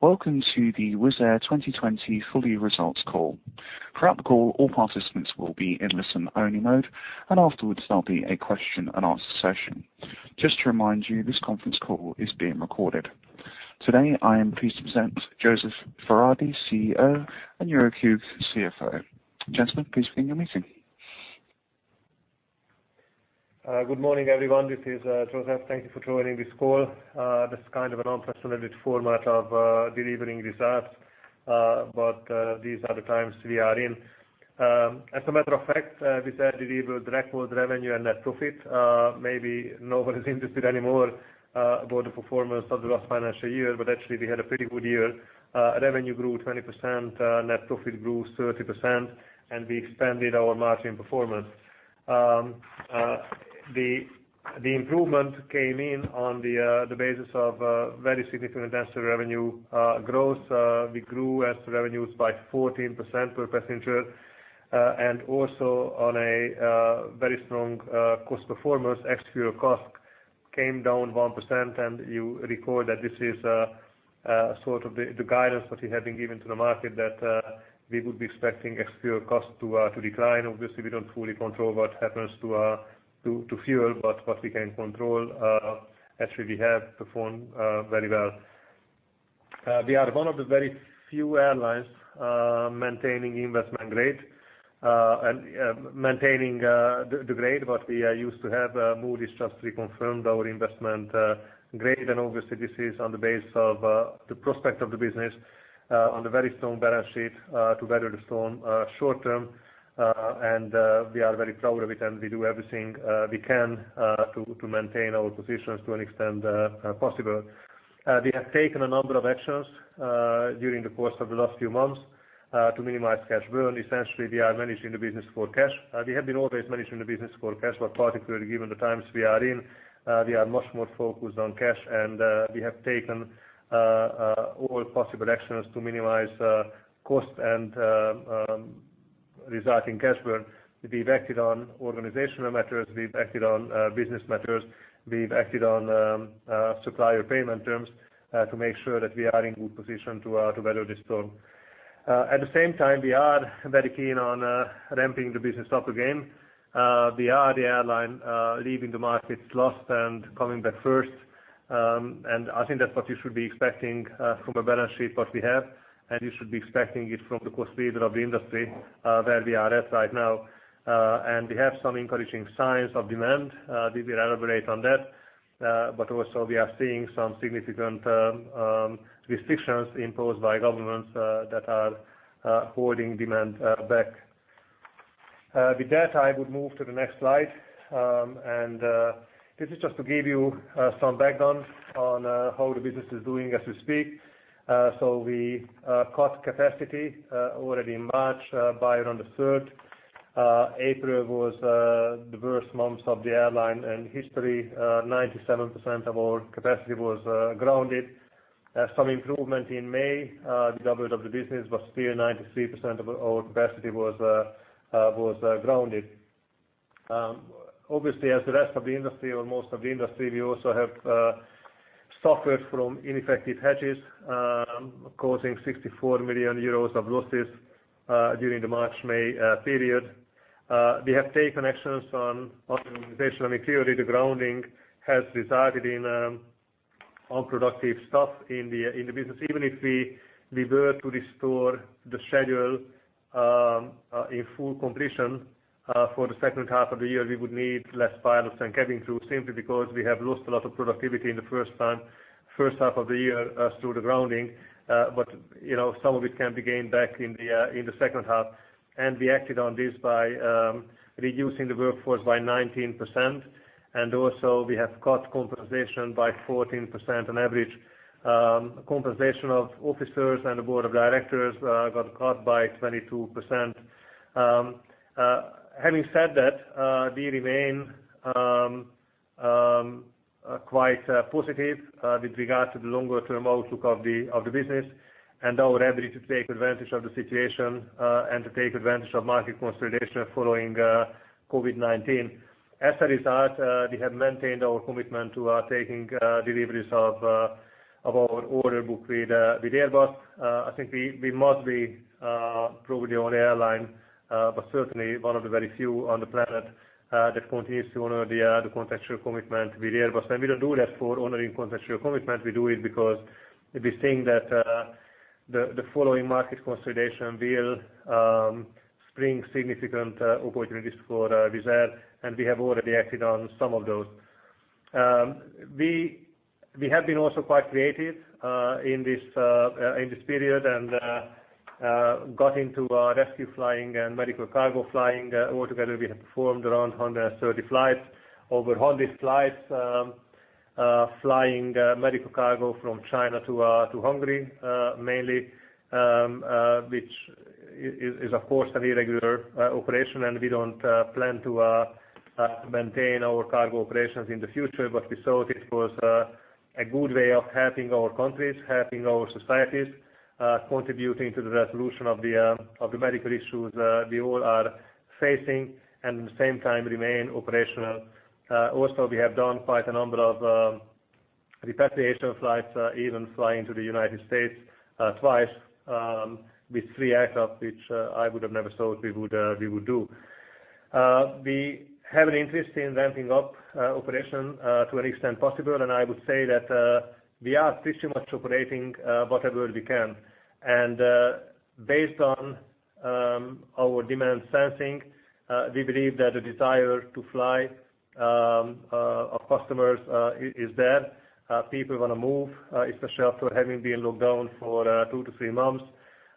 Welcome to the Wizz Air 2020 full year results call. Throughout the call, all participants will be in listen-only mode, afterwards there'll be a question and answer session. Just to remind you, this conference call is being recorded. Today, I am pleased to present József Váradi, CEO, and Jourik Hooghe, CFO. Gentlemen, please begin your meeting. Good morning, everyone. This is József. Thank you for joining this call. This is kind of an unprecedented format of delivering results, these are the times we are in. As a matter of fact, Wizz Air delivered record revenue and net profit. Maybe nobody's interested anymore about the performance of the last financial year, actually we had a pretty good year. Revenue grew 20%, net profit grew 30%, we expanded our market performance. The improvement came in on the basis of very significant passenger revenue growth. We grew CEE revenues by 14% per passenger, also on a very strong cost performance. Ex-fuel cost came down 1%, you recall that this is sort of the guidance that we have been giving to the market that we would be expecting extra fuel cost to decline. Obviously, we don't fully control what happens to fuel, but what we can control, actually we have performed very well. We are one of the very few airlines maintaining investment grade, and maintaining the grade that we used to have. Moody's just reconfirmed our investment grade, and obviously this is on the base of the prospect of the business on the very strong balance sheet to weather the storm short-term. We are very proud of it, and we do everything we can to maintain our positions to an extent possible. We have taken a number of actions during the course of the last few months to minimize cash burn. Essentially, we are managing the business for cash. We have been always managing the business for cash, but particularly given the times we are in, we are much more focused on cash, and we have taken all possible actions to minimize cost and resulting cash burn. We've acted on organizational matters. We've acted on business matters. We've acted on supplier payment terms to make sure that we are in good position to weather the storm. At the same time, we are very keen on ramping the business up again. We are the airline leaving the markets last and coming back first. I think that's what you should be expecting from a balance sheet that we have, and you should be expecting it from the cost leader of the industry where we are at right now. We have some encouraging signs of demand. We will elaborate on that. Also, we are seeing some significant restrictions imposed by governments that are holding demand back. With that, I would move to the next slide. This is just to give you some background on how the business is doing as we speak. We cut capacity already in March by around the third. April was the worst month of the airline in history. 97% of our capacity was grounded. Some improvement in May, the double of the business, but still 93% of our capacity was grounded. Obviously, as the rest of the industry, or most of the industry, we also have suffered from ineffective hedges, causing 64 million euros of losses during the March-May period. We have taken actions on optimization. I mean, clearly the grounding has resulted in unproductive stuff in the business. Even if we were to restore the schedule in full completion for the second half of the year, we would need less pilots and cabin crew, simply because we have lost a lot of productivity in the first half of the year through the grounding. Some of it can be gained back in the second half. We acted on this by reducing the workforce by 19%. Also we have cut compensation by 14% on average. Compensation of officers and the board of directors got cut by 22%. Having said that, we remain quite positive with regard to the longer-term outlook of the business and our ability to take advantage of the situation and to take advantage of market consolidation following COVID-19. As a result, we have maintained our commitment to taking deliveries of our order book with Airbus. I think we must be probably the only airline, but certainly one of the very few on the planet, that continues to honor the contractual commitment with Airbus. We don't do that for honoring contractual commitment. We do it because we think that the following market consolidation will spring significant opportunities for Wizz Air, and we have already acted on some of those. We have been also quite creative in this period, and got into rescue flying and medical cargo flying. Altogether, we have performed around 130 flights, over 100 flights flying medical cargo from China to Hungary mainly, which is of course an irregular operation, and we don't plan to maintain our cargo operations in the future. We thought it was a good way of helping our countries, helping our societies, contributing to the resolution of the medical issues we all are facing and at the same time remain operational. Also, we have done quite a number of repatriation flights, even flying to the U.S. twice with three aircrafts, which I would have never thought we would do. We have an interest in ramping up operation to an extent possible, and I would say that we are pretty much operating whatever we can. Based on our demand sensing, we believe that the desire to fly our customers is there. People want to move, especially after having been locked down for two-three months.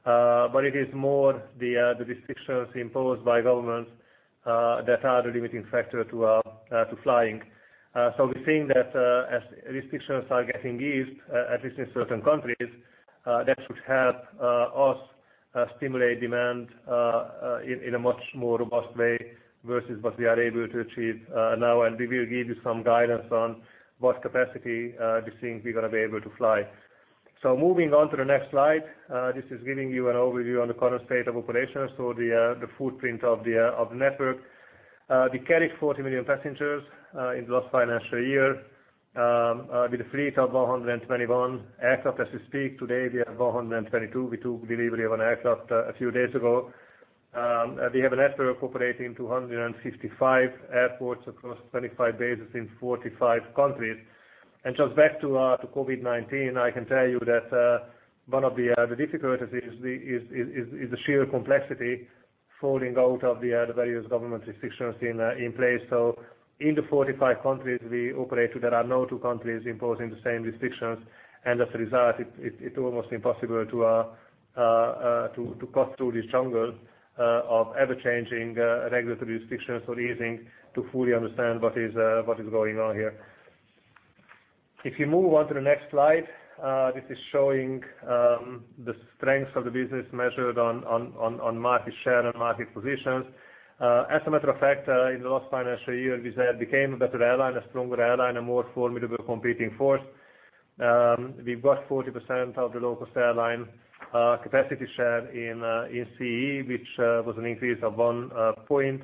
It is more the restrictions imposed by governments that are the limiting factor to flying. We think that as restrictions are getting eased, at least in certain countries, that should help us stimulate demand in a much more robust way versus what we are able to achieve now. We will give you some guidance on what capacity we think we're going to be able to fly. Moving on to the next slide. This is giving you an overview on the current state of operations. The footprint of the network. We carried 40 million passengers in the last financial year with a fleet of 121 aircraft. As we speak today, we are 122. We took delivery of an aircraft a few days ago. We have a network operating 255 airports across 25 bases in 45 countries. Just back to COVID-19, I can tell you that one of the difficulties is the sheer complexity falling out of the various government restrictions in place. In the 45 countries we operate through, there are no two countries imposing the same restrictions. As a result, it's almost impossible to pass through this jungle of ever-changing regulatory restrictions or easing to fully understand what is going on here. If you move on to the next slide. This is showing the strengths of the business measured on market share and market positions. As a matter of fact, in the last financial year, Wizz Air became a better airline, a stronger airline, a more formidable competing force. We've got 40% of the low-cost airline capacity share in CEE, which was an increase of one point.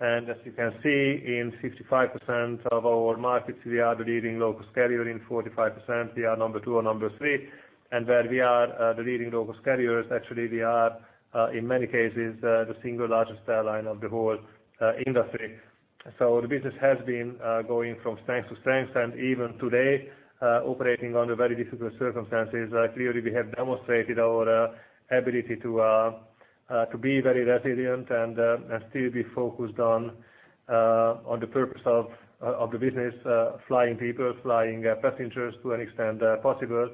As you can see, in 65% of our markets, we are the leading low-cost carrier. In 45%, we are number two or number three. Where we are the leading low-cost carriers, actually, we are, in many cases, the single largest airline of the whole industry. The business has been going from strength to strength, and even today operating under very difficult circumstances. Clearly, we have demonstrated our ability to be very resilient and still be focused on the purpose of the business, flying people, flying passengers to an extent possible.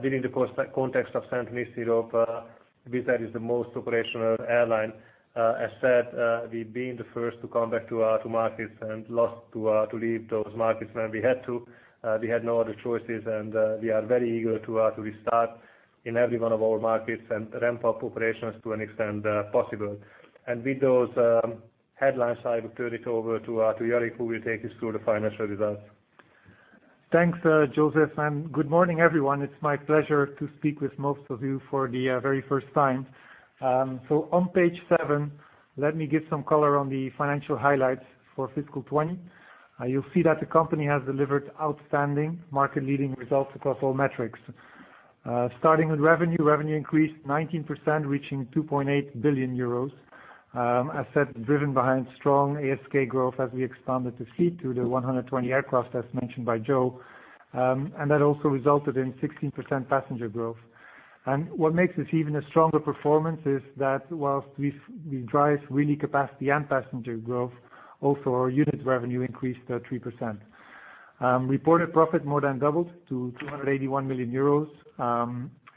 During the course context of Central and Eastern Europe, Wizz Air is the most operational airline. As said, we've been the first to come back to markets and last to leave those markets when we had to. We had no other choices, we are very eager to restart in every one of our markets and ramp up operations to an extent possible. With those headlines, I will turn it over to Jourik, who will take us through the financial results. Thanks, József, good morning, everyone. It's my pleasure to speak with most of you for the very first time. On page seven, let me give some color on the financial highlights for fiscal 2020. You'll see that the company has delivered outstanding market-leading results across all metrics. Starting with revenue. Revenue increased 19%, reaching 2.8 billion euros. As said, driven behind strong ASK growth as we expanded the fleet to the 120 aircraft, as mentioned by Jo. That also resulted in 16% passenger growth. What makes this even a stronger performance is that whilst we drive really capacity and passenger growth, also our unit revenue increased 3%. Reported profit more than doubled to 281 million euros.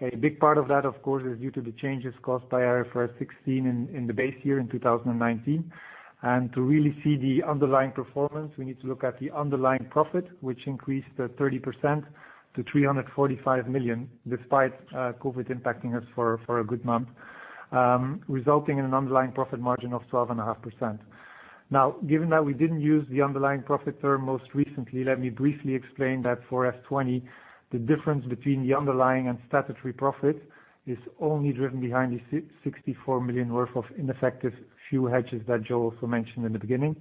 A big part of that, of course, is due to the changes caused by IFRS 16 in the base year in 2019. To really see the underlying performance, we need to look at the underlying profit, which increased 30% to 345 million, despite COVID impacting us for a good month, resulting in an underlying profit margin of 12.5%. Given that we didn't use the underlying profit term most recently, let me briefly explain that for F20, the difference between the underlying and statutory profit is only driven behind the 64 million worth of ineffective fuel hedges that Jo also mentioned in the beginning.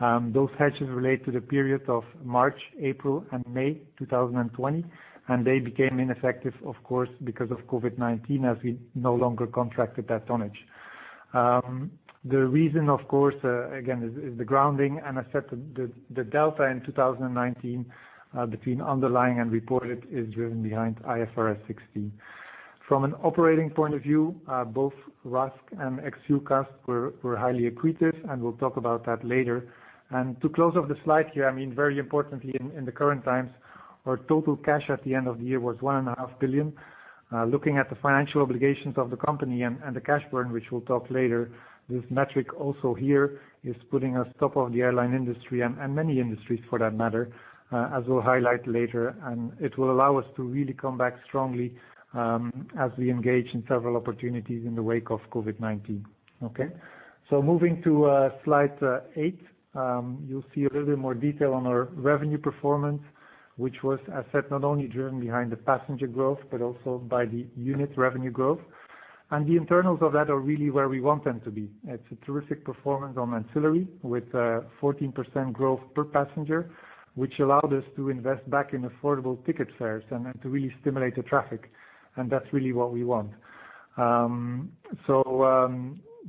Those hedges relate to the period of March, April, and May 2020, and they became ineffective, of course, because of COVID-19, as we no longer contracted that tonnage. The reason, of course, again, is the grounding, and I said the delta in 2019 between underlying and reported is driven behind IFRS 16. From an operating point of view, both RASK and Ex-fuel CASK were highly accretive, and we'll talk about that later. To close off the slide here, very importantly in the current times, our total cash at the end of the year was 1.5 billion. Looking at the financial obligations of the company and the cash burn, which we'll talk later, this metric also here is putting us top of the airline industry and many industries for that matter, as we'll highlight later. It will allow us to really come back strongly as we engage in several opportunities in the wake of COVID-19. Okay. Moving to slide eight. You'll see a little bit more detail on our revenue performance, which was, as said, not only driven behind the passenger growth, but also by the unit revenue growth. The internals of that are really where we want them to be. It's a terrific performance on ancillary, with 14% growth per passenger, which allowed us to invest back in affordable ticket fares and then to really stimulate the traffic. That's really what we want.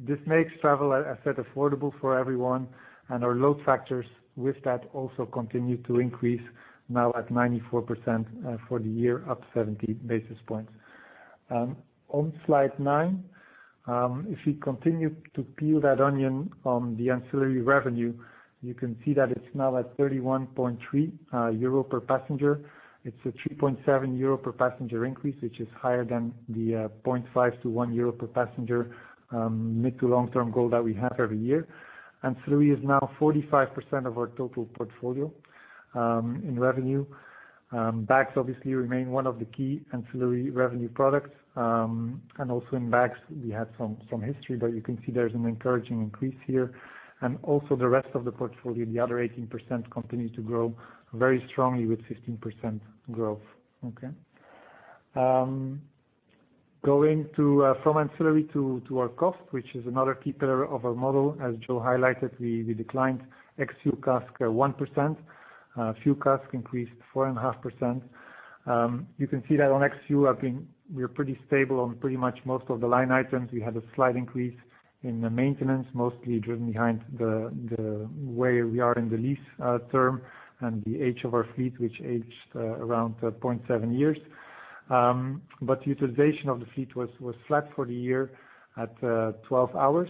This makes travel, as I said, affordable for everyone, and our load factors with that also continue to increase, now at 94% for the year, up 70 basis points. On slide nine, if we continue to peel that onion on the ancillary revenue, you can see that it's now at 31.3 euro per passenger. It's a 3.7 euro per passenger increase, which is higher than the 0.5-1 euro per passenger mid to long term goal that we have every year. Ancillary is now 45% of our total portfolio in revenue. Bags obviously remain one of the key ancillary revenue products. In bags, we had some history, but you can see there's an encouraging increase here. The rest of the portfolio, the other 18% continues to grow very strongly with 15% growth. Okay. Going from ancillary to our cost, which is another key pillar of our model. As Joe highlighted, we declined ex-fuel CASK 1%. Fuel CASK increased 4.5%. You can see that on ex-fuel, I think we're pretty stable on pretty much most of the line items. We had a slight increase in the maintenance, mostly driven behind the way we are in the lease term and the age of our fleet, which aged around 0.7 years. Utilization of the fleet was flat for the year at 12 hours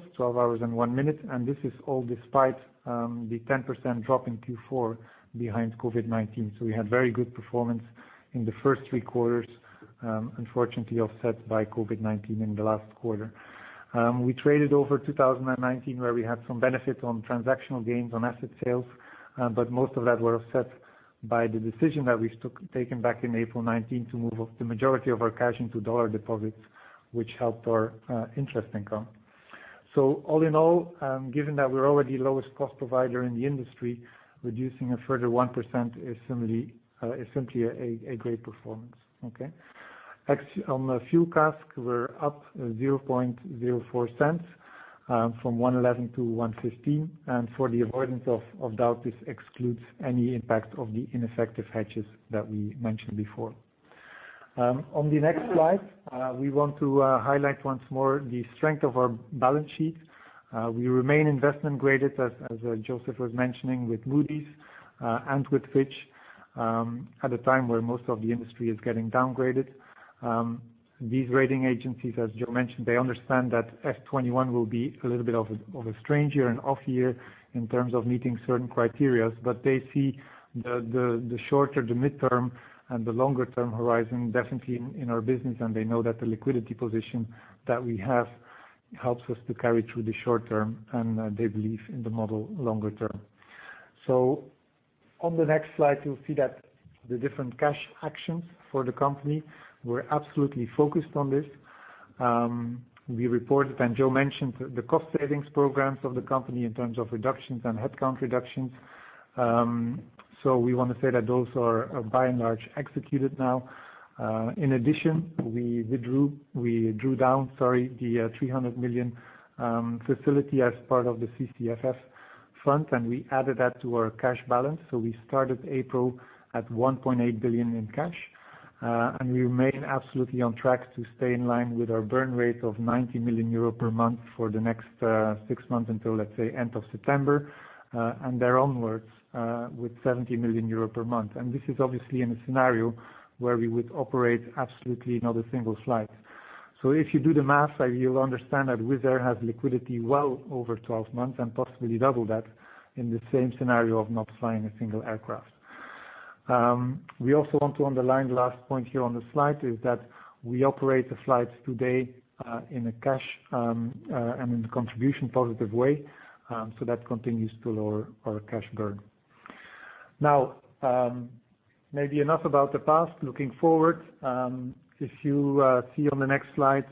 and one minute. This is all despite the 10% drop in Q4 behind COVID-19. We had very good performance in the first three quarters, unfortunately offset by COVID-19 in the last quarter. We traded over 2019 where we had some benefits on transactional gains on asset sales. Most of that were offset by the decision that we've taken back in April 2019 to move the majority of our cash into dollar deposits, which helped our interest income. All in all, given that we're already the lowest cost provider in the industry, reducing a further 1% is simply a great performance. Okay. On the fuel CASK, we're up 0.04 from 1.11 to 1.15. For the avoidance of doubt, this excludes any impact of the ineffective hedges that we mentioned before. On the next slide, we want to highlight once more the strength of our balance sheet. We remain investment graded, as József was mentioning, with Moody's and with Fitch, at a time where most of the industry is getting downgraded. These rating agencies, as Jo mentioned, they understand that FY 2021 will be a little bit of a strange year, an off year in terms of meeting certain criteria. They see the shorter, the midterm, and the longer term horizon definitely in our business, and they know that the liquidity position that we have helps us to carry through the short term, and they believe in the model longer term. On the next slide, you'll see that the different cash actions for the company were absolutely focused on this. We reported, and Jo mentioned, the cost savings programs of the company in terms of reductions and headcount reductions. We want to say that those are by and large executed now. In addition, we drew down the 300 million facility as part of the CCFF fund, and we added that to our cash balance. We started April at 1.8 billion in cash. We remain absolutely on track to stay in line with our burn rate of 90 million euro per month for the next six months until, let's say, end of September, and there onwards with 70 million euro per month. This is obviously in a scenario where we would operate absolutely not a single flight. If you do the math, you'll understand that Wizz Air has liquidity well over 12 months and possibly double that in the same scenario of not flying a single aircraft. We also want to underline the last point here on the slide, is that we operate the flights today in a cash and in a contribution positive way. That continues to lower our cash burn. Maybe enough about the past. Looking forward, if you see on the next slide.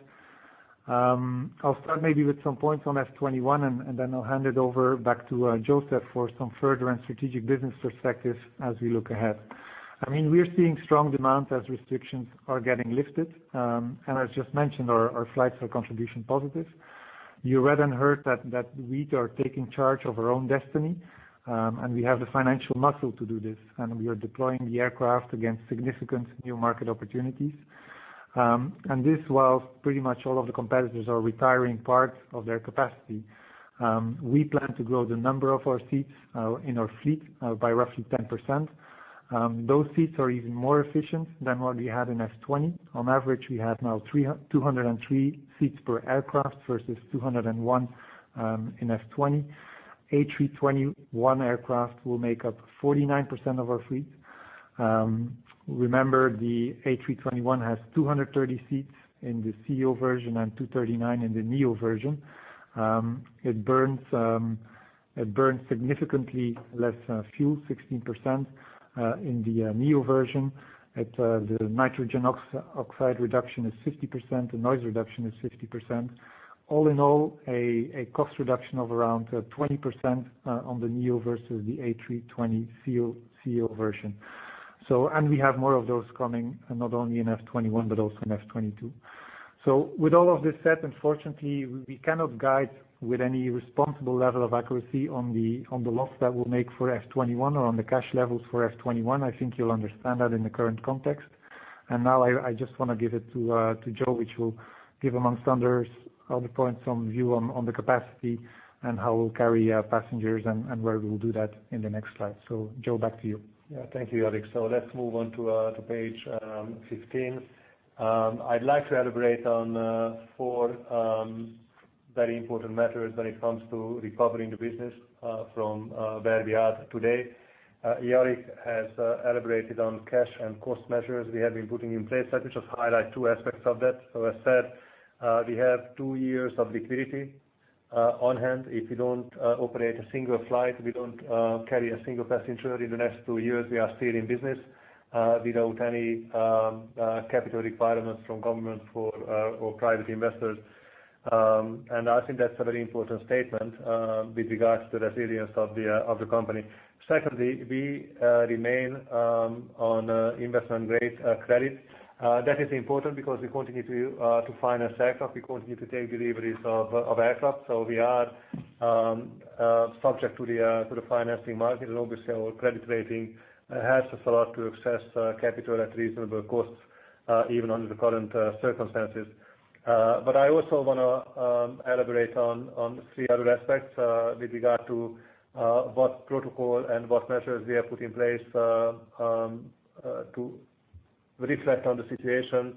I'll start maybe with some points on FY 2021, and then I'll hand it over back to József for some further and strategic business perspectives as we look ahead. We are seeing strong demand as restrictions are getting lifted. As just mentioned, our flights are contribution positive. You read and heard that we are taking charge of our own destiny. We have the financial muscle to do this, and we are deploying the aircraft against significant new market opportunities. This, while pretty much all of the competitors are retiring parts of their capacity. We plan to grow the number of our seats in our fleet by roughly 10%. Those seats are even more efficient than what we had in FY 2020. On average, we have now 203 seats per aircraft versus 201 in FY 2020. A321 aircraft will make up 49% of our fleet. Remember, the A321 has 230 seats in the ceo version and 239 in the neo version. It burns significantly less fuel, 16%, in the neo version. The nitrogen oxide reduction is 50%, the noise reduction is 50%. All in all, a cost reduction of around 20% on the neo versus the A320ceo version. We have more of those coming, not only in FY 2021, but also in FY 2022. With all of this said, unfortunately, we cannot guide with any responsible level of accuracy on the loss that we'll make for FY 2021 or on the cash levels for FY 2021. I think you'll understand that in the current context. Now I just want to give it to Jo, which will give amongst others, other points of view on the capacity and how we'll carry passengers and where we'll do that in the next slide. Jo, back to you. Yeah. Thank you, Jourik. Let's move on to page 15. I'd like to elaborate on four very important matters when it comes to recovering the business from where we are today. Jourik has elaborated on cash and cost measures we have been putting in place. Let me just highlight two aspects of that. As said, we have two years of liquidity on hand. If we don't operate a single flight, we don't carry a single passenger in the next two years, we are still in business without any capital requirements from government or private investors. I think that's a very important statement with regards to the resilience of the company. Secondly, we remain on investment-grade credit. That is important because we continue to finance aircraft, we continue to take deliveries of aircraft. We are subject to the financing market, and obviously our credit rating helps us a lot to access capital at reasonable costs, even under the current circumstances. I also want to elaborate on three other aspects with regard to what protocol and what measures we have put in place to reflect on the situation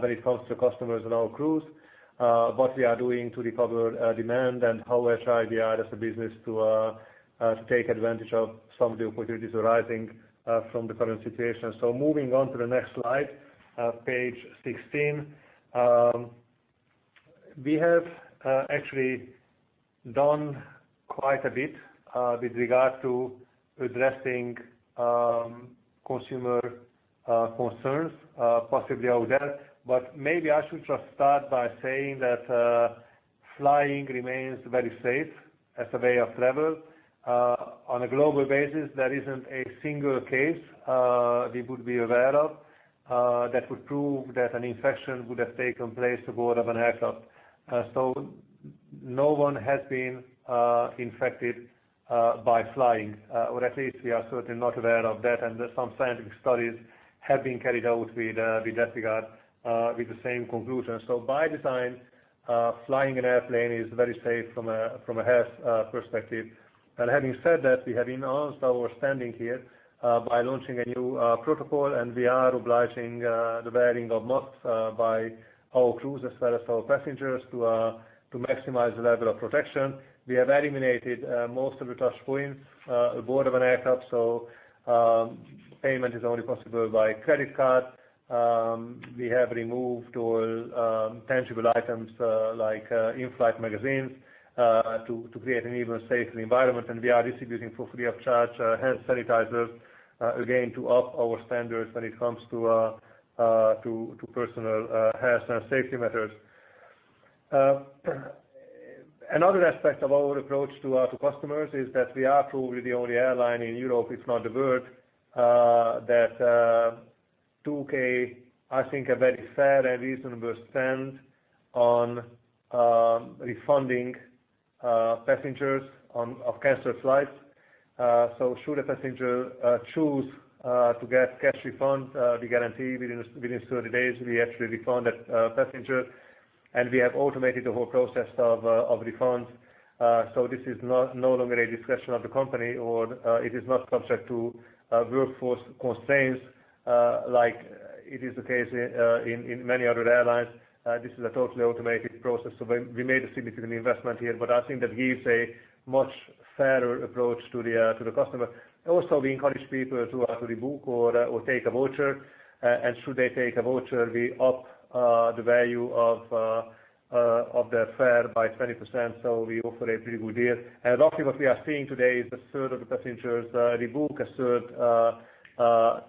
when it comes to customers and our crews. What we are doing to recover demand and how agile we are as a business to take advantage of some of the opportunities arising from the current situation. Moving on to the next slide, page 16. We have actually done quite a bit with regard to addressing consumer concerns, possibly out there. Maybe I should just start by saying that flying remains very safe as a way of travel. On a global basis, there isn't a single case we would be aware of that would prove that an infection would have taken place aboard of an aircraft. No one has been infected by flying, or at least we are certainly not aware of that. Some scientific studies have been carried out with that regard with the same conclusion. By design, flying an airplane is very safe from a health perspective. Having said that, we have enhanced our standing here by launching a new protocol, and we are obliging the wearing of masks by our crews as well as our passengers to maximize the level of protection. We have eliminated most of the touch points aboard of an aircraft, so payment is only possible by credit card. We have removed all tangible items like in-flight magazines to create an even safer environment. We are distributing for free of charge hand sanitizers, again, to up our standards when it comes to personal health and safety matters. Another aspect of our approach to customers is that we are probably the only airline in Europe, if not the world, that took a, I think, a very fair and reasonable stand on refunding passengers of canceled flights. Should a passenger choose to get cash refund, we guarantee within 30 days, we actually refund that passenger. We have automated the whole process of refunds. This is no longer a discretion of the company, or it is not subject to workforce constraints like it is the case in many other airlines. This is a totally automated process. We made a significant investment here, but I think that gives a much fairer approach to the customer. Also, we encourage people to rebook or take a voucher, and should they take a voucher, we up the value of their fare by 20%, so we offer a pretty good deal. Roughly what we are seeing today is a third of the passengers rebook, a third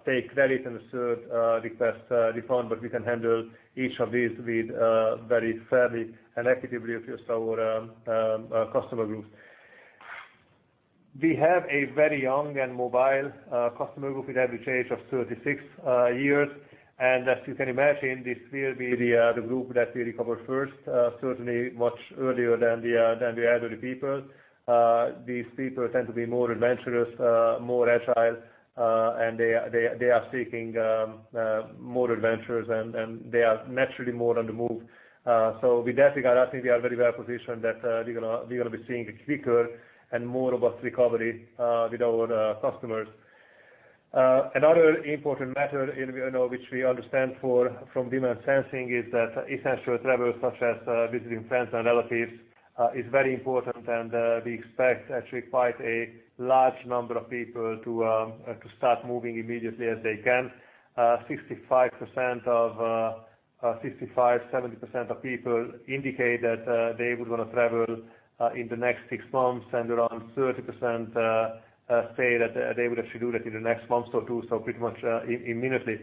take credit, and a third request refund. We can handle each of these very fairly and equitably across our customer groups. We have a very young and mobile customer group with average age of 36 years. As you can imagine, this will be the group that will recover first, certainly much earlier than the elderly people. These people tend to be more adventurous, more agile, and they are seeking more adventures, and they are naturally more on the move. With that regard, I think we are very well positioned that we're going to be seeing a quicker and more robust recovery with our customers. Another important matter which we understand from demand sensing is that essential travel, such as visiting friends and relatives, is very important, and we expect actually quite a large number of people to start moving immediately as they can. 65%, 70% of people indicate that they would want to travel in the next six months, and around 30% say that they would actually do that in the next month or two, so pretty much immediately.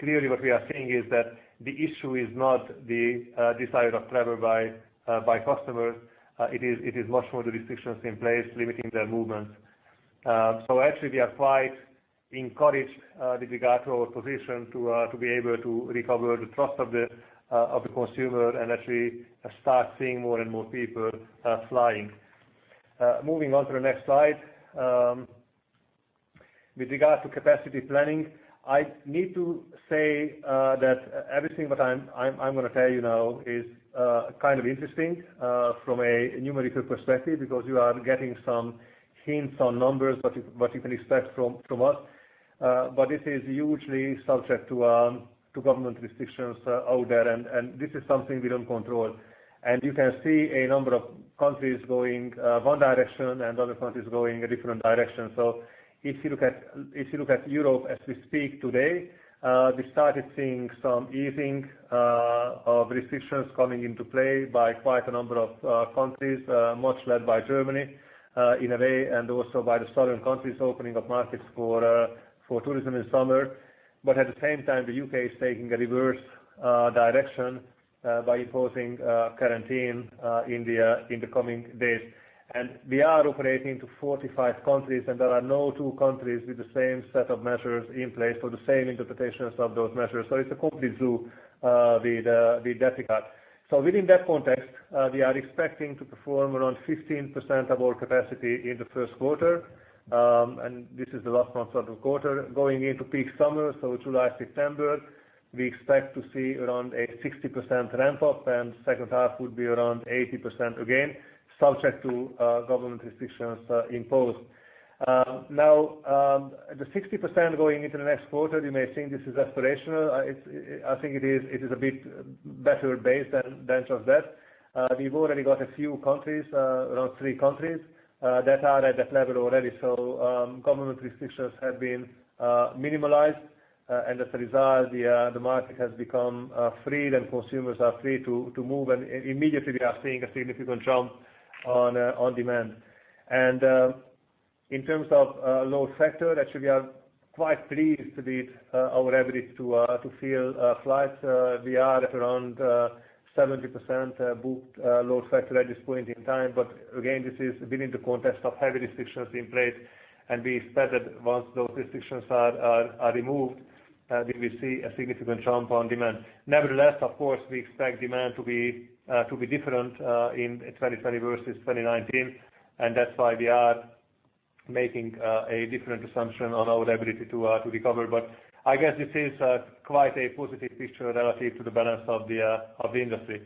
Clearly what we are seeing is that the issue is not the desire of travel by customers. It is much more the restrictions in place limiting their movements. Actually we are quite encouraged with regard to our position to be able to recover the trust of the consumer and actually start seeing more and more people flying. Moving on to the next slide. With regard to capacity planning, I need to say that everything that I'm going to tell you now is kind of interesting from a numerical perspective because you are getting some hints on numbers that you can expect from us, but it is hugely subject to government restrictions out there. This is something we don't control. You can see a number of countries going one direction and other countries going a different direction. If you look at Europe as we speak today, we started seeing some easing of restrictions coming into play by quite a number of countries, much led by Germany in a way, and also by the southern countries opening up markets for tourism in summer. At the same time, the U.K. is taking a reverse direction by imposing quarantine in the coming days. We are operating to 45 countries, and there are no two countries with the same set of measures in place for the same interpretations of those measures. It's a complete zoo with that regard. Within that context, we are expecting to perform around 15% of our capacity in the first quarter. This is the last month of the quarter. Going into peak summer, so July, September, we expect to see around a 60% ramp up. Second half would be around 80% again, subject to government restrictions imposed. The 60% going into the next quarter, you may think this is aspirational. I think it is a bit better based than just that. We've already got a few countries, around three countries, that are at that level already. Government restrictions have been minimalized, and as a result, the market has become free and consumers are free to move, and immediately we are seeing a significant jump on demand. In terms of load factor, actually we are quite pleased with our ability to fill flights. We are at around 70% booked load factor at this point in time. Again, this is within the context of heavy restrictions in place. We expect that once those restrictions are removed, we will see a significant jump on demand. Of course, we expect demand to be different in 2020 versus 2019, and that's why we are making a different assumption on our ability to recover. I guess this is quite a positive picture relative to the balance of the industry.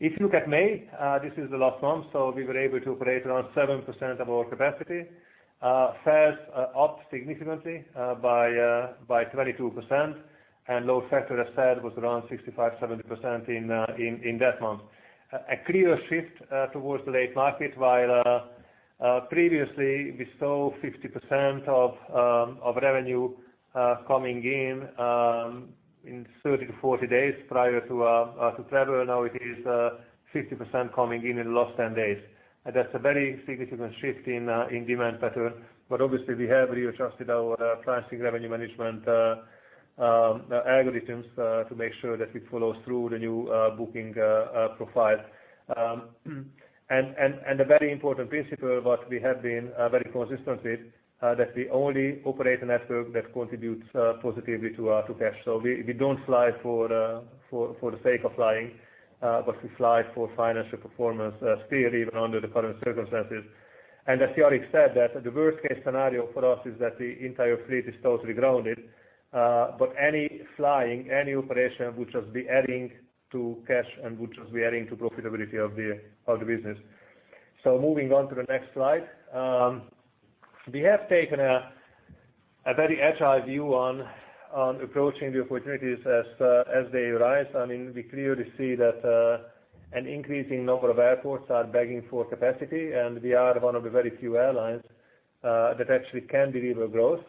If you look at May, this is the last month, so we were able to operate around 7% of our capacity. Fares are up significantly by 22%, and load factor, as said, was around 65%-70% in that month. A clear shift towards the late market while previously we saw 50% of revenue coming in 30-40 days prior to travel. Now it is 50% coming in the last 10 days. That's a very significant shift in demand pattern, but obviously we have readjusted our pricing revenue management algorithms to make sure that it follows through the new booking profile. A very important principle what we have been very consistent with, that we only operate a network that contributes positively to cash. We don't fly for the sake of flying, but we fly for financial performance still, even under the current circumstances. As Jourik said that the worst-case scenario for us is that the entire fleet is totally grounded. Any flying, any operation would just be adding to cash and would just be adding to profitability of the business. Moving on to the next slide. We have taken a very agile view on approaching the opportunities as they arise. We clearly see that an increasing number of airports are begging for capacity, and we are one of the very few airlines that actually can deliver growth,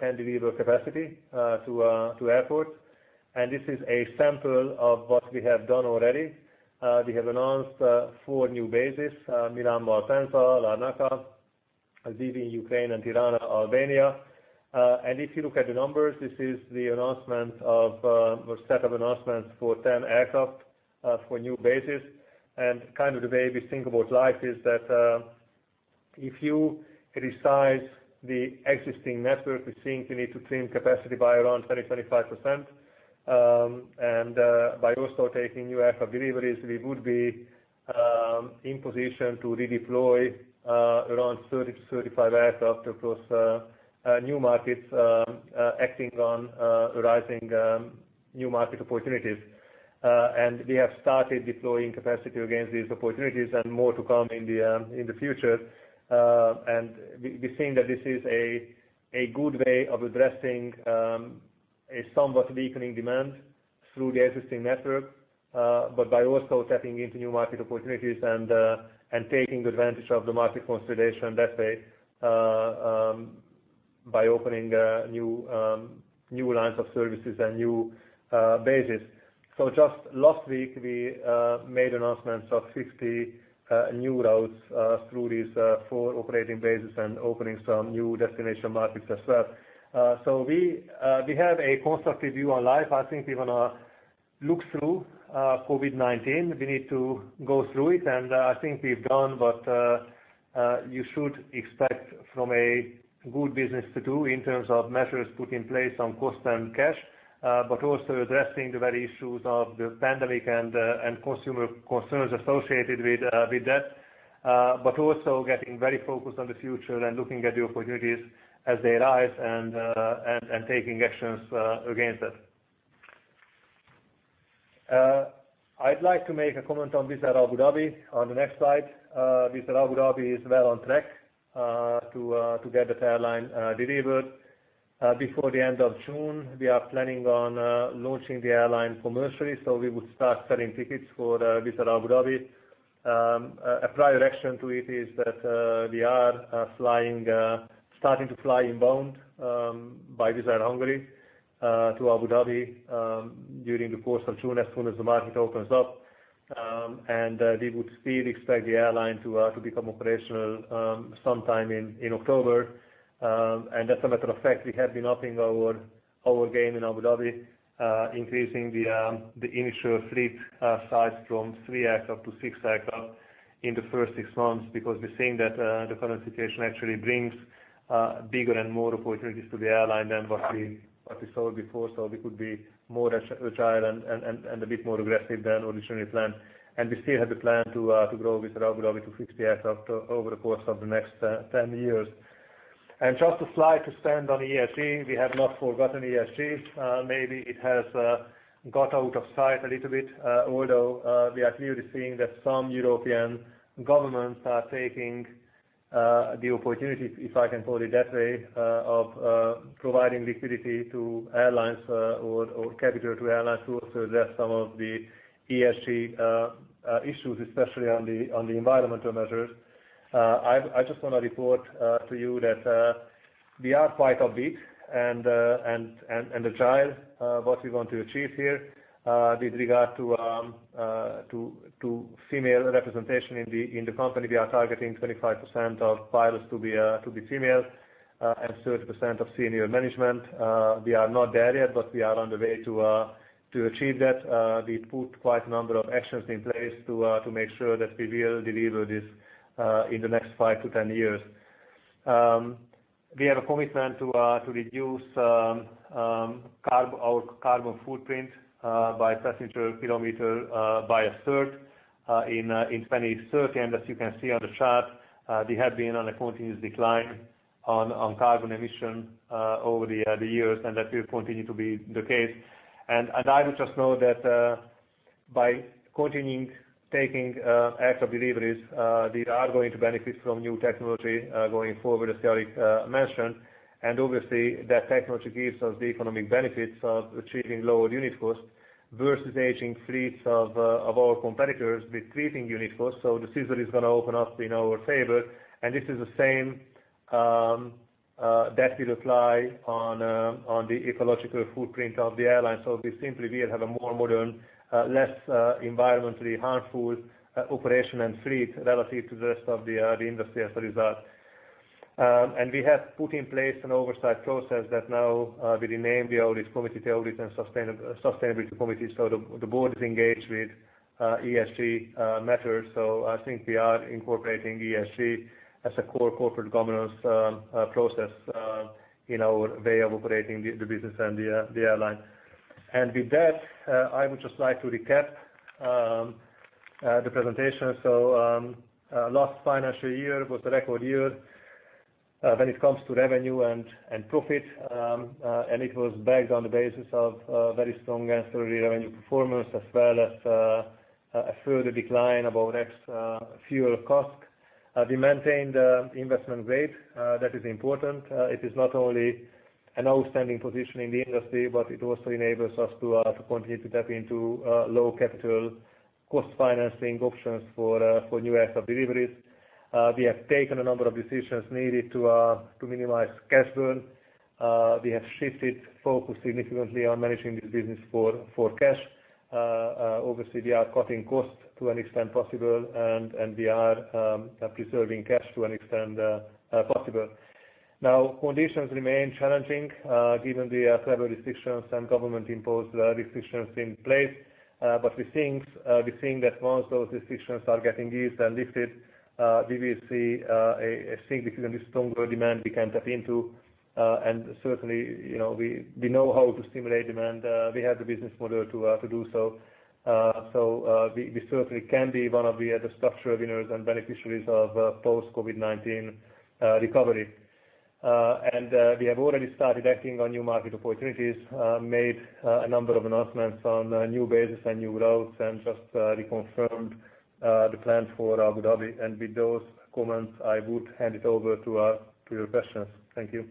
can deliver capacity to airports. This is a sample of what we have done already. We have announced four new bases Milan Malpensa, Larnaca, Lviv, Ukraine, and Tirana, Albania. If you look at the numbers, this is the announcement of, or set of announcements for 10 aircraft for new bases. Kind of the way we think about life is that if you resize the existing network, we think we need to trim capacity by around 20%-25%. By also taking new aircraft deliveries, we would be in position to redeploy around 30-35 aircraft across new markets, acting on rising new market opportunities. We have started deploying capacity against these opportunities and more to come in the future. We think that this is a good way of addressing a somewhat weakening demand through the existing network. By also tapping into new market opportunities and taking advantage of the market consolidation that way, by opening new lines of services and new bases. Just last week, we made announcements of 60 new routes through these four operating bases and opening some new destination markets as well. We have a constructive view on life. I think we want to look through COVID-19. We need to go through it, and I think we've done what you should expect from a good business to do in terms of measures put in place on cost and cash, but also addressing the very issues of the pandemic and consumer concerns associated with that. Also getting very focused on the future and looking at the opportunities as they arise and taking actions against that. I'd like to make a comment on Wizz Air Abu Dhabi on the next slide. Wizz Air Abu Dhabi is well on track to get that airline delivered. Before the end of June, we are planning on launching the airline commercially, so we would start selling tickets for Wizz Air Abu Dhabi. A prior action to it is that we are starting to fly inbound by Wizz Air Hungary to Abu Dhabi during the course of June, as soon as the market opens up. We would still expect the airline to become operational sometime in October. As a matter of fact, we have been upping our game in Abu Dhabi, increasing the initial fleet size from three aircraft to six aircraft in the first six months because we're seeing that the current situation actually brings bigger and more opportunities to the airline than what we saw before. We could be more agile and a bit more aggressive than originally planned. We still have the plan to grow Wizz Air Abu Dhabi to 60 aircraft over the course of the next 10 years. Just a slide to stand on ESG. We have not forgotten ESG. Maybe it has got out of sight a little bit, although, we are clearly seeing that some European governments are taking the opportunity, if I can call it that way, of providing liquidity to airlines, or capital to airlines to also address some of the ESG issues, especially on the environmental measures. I just want to report to you that we are quite upbeat and agile what we want to achieve here with regard to female representation in the company. We are targeting 25% of pilots to be female and 30% of senior management. We are not there yet, we are on the way to achieve that. We put quite a number of actions in place to make sure that we will deliver this in the next five to 10 years. We have a commitment to reduce our carbon footprint by passenger kilometer by a third in 2030. As you can see on the chart, we have been on a continuous decline on carbon emissions over the years and that will continue to be the case. I would just note that by continuing taking aircraft deliveries, these are going to benefit from new technology going forward, as Jourik mentioned. Obviously, that technology gives us the economic benefits of achieving lower unit cost versus aging fleets of our competitors with creeping unit cost. The scissor is going to open up in our favor and this is the same that will apply on the ecological footprint of the airline. We simply will have a more modern, less environmentally harmful operation and fleet relative to the rest of the industry as a result. We have put in place an oversight process that now we renamed the audit committee, the audit and sustainability committee. The board is engaged with ESG matters. I think we are incorporating ESG as a core corporate governance process in our way of operating the business and the airline. With that, I would just like to recap the presentation. Last financial year was a record year when it comes to revenue and profit. It was backed on the basis of a very strong ancillary revenue performance as well as a further decline of our ex fuel cost. We maintained investment grade. That is important. It is not only an outstanding position in the industry, but it also enables us to continue to tap into low capital cost financing options for new aircraft deliveries. We have taken a number of decisions needed to minimize cash burn. We have shifted focus significantly on managing this business for cash. Obviously, we are cutting costs to an extent possible and we are preserving cash to an extent possible. Conditions remain challenging given the travel restrictions and government-imposed restrictions in place. We're seeing that once those restrictions are getting eased and lifted, we will see a significantly stronger demand we can tap into. Certainly, we know how to stimulate demand. We have the business model to do so. We certainly can be one of the structural winners and beneficiaries of post-COVID-19 recovery. We have already started acting on new market opportunities, made a number of announcements on new bases and new routes, and just reconfirmed the plans for Abu Dhabi. With those comments, I would hand it over to your questions. Thank you.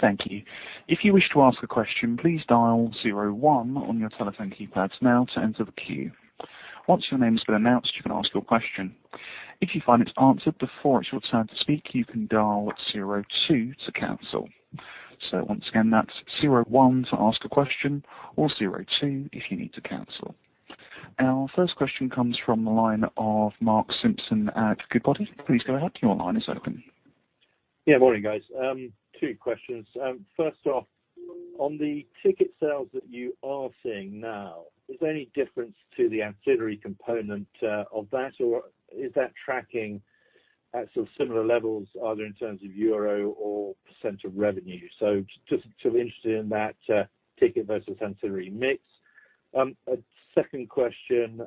Thank you. If you wish to ask a question, please dial zero one on your telephone keypads now to enter the queue. Once your name has been announced, you can ask your question. If you find it's answered before it's your turn to speak, you can dial zero two to cancel. Once again, that's zero one to ask a question or zero two if you need to cancel. Our first question comes from the line of Mark Simpson at Goodbody. Please go ahead. Your line is open. Morning, guys. Two questions. First off, on the ticket sales that you are seeing now, is there any difference to the ancillary component of that? Is that tracking at sort of similar levels, either in terms of EUR or % of revenue? Just interested in that ticket versus ancillary mix. A second question.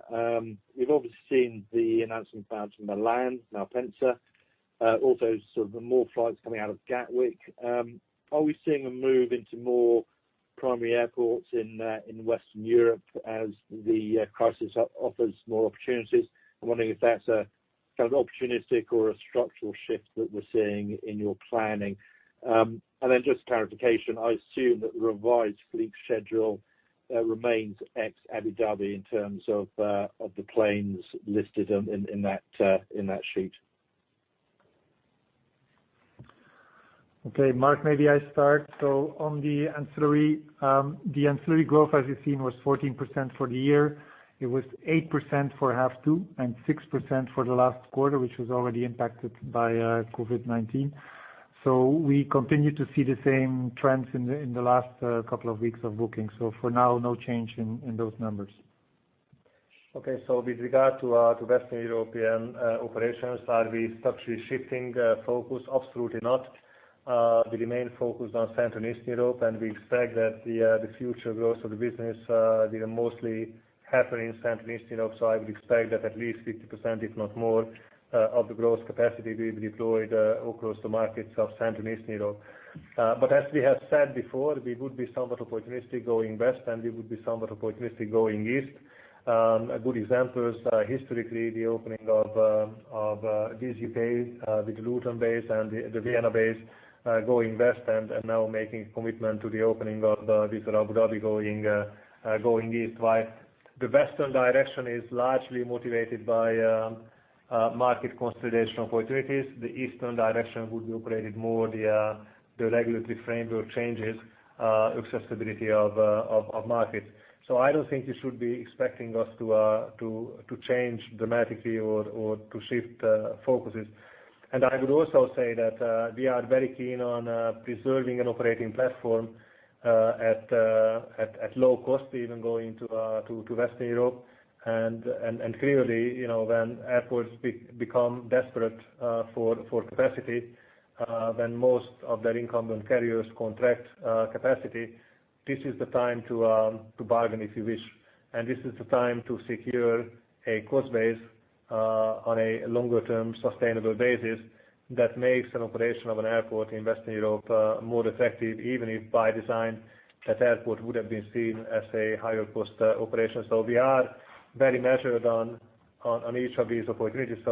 We've obviously seen the announcement about Milan Malpensa, also sort of the more flights coming out of Gatwick. Are we seeing a move into more primary airports in Western Europe as the crisis offers more opportunities? I'm wondering if that's a kind of opportunistic or a structural shift that we're seeing in your planning. Then just clarification, I assume that the revised fleet schedule remains ex-Abu Dhabi in terms of the planes listed in that sheet. Okay. Mark, maybe I start. On the ancillary, the ancillary growth, as you've seen, was 14% for the year. It was 8% for half two and 6% for the last quarter, which was already impacted by COVID-19. We continue to see the same trends in the last couple of weeks of booking. For now, no change in those numbers. Okay. With regard to Western European operations, are we structurally shifting focus? Absolutely not. We remain focused on Central and Eastern Europe, and we expect that the future growth of the business will mostly happen in Central and Eastern Europe. I would expect that at least 50%, if not more, of the growth capacity will be deployed across the markets of Central and Eastern Europe. As we have said before, we would be somewhat opportunistic going west, and we would be somewhat opportunistic going east. A good example is historically the opening of Wizz UK with Luton base and the Vienna base going west and now making commitment to the opening of Wizz Abu Dhabi going east. While the western direction is largely motivated by market consolidation opportunities, the eastern direction would be operated more the regulatory framework changes, accessibility of markets. I don't think you should be expecting us to change dramatically or to shift focuses. I would also say that we are very keen on preserving an operating platform at low cost, even going to Western Europe. Clearly, when airports become desperate for capacity, when most of their incumbent carriers contract capacity, this is the time to bargain, if you wish. This is the time to secure a cost base on a longer-term sustainable basis that makes an operation of an airport in Western Europe more effective, even if by design that airport would have been seen as a higher-cost operation. We are very measured on each of these opportunities.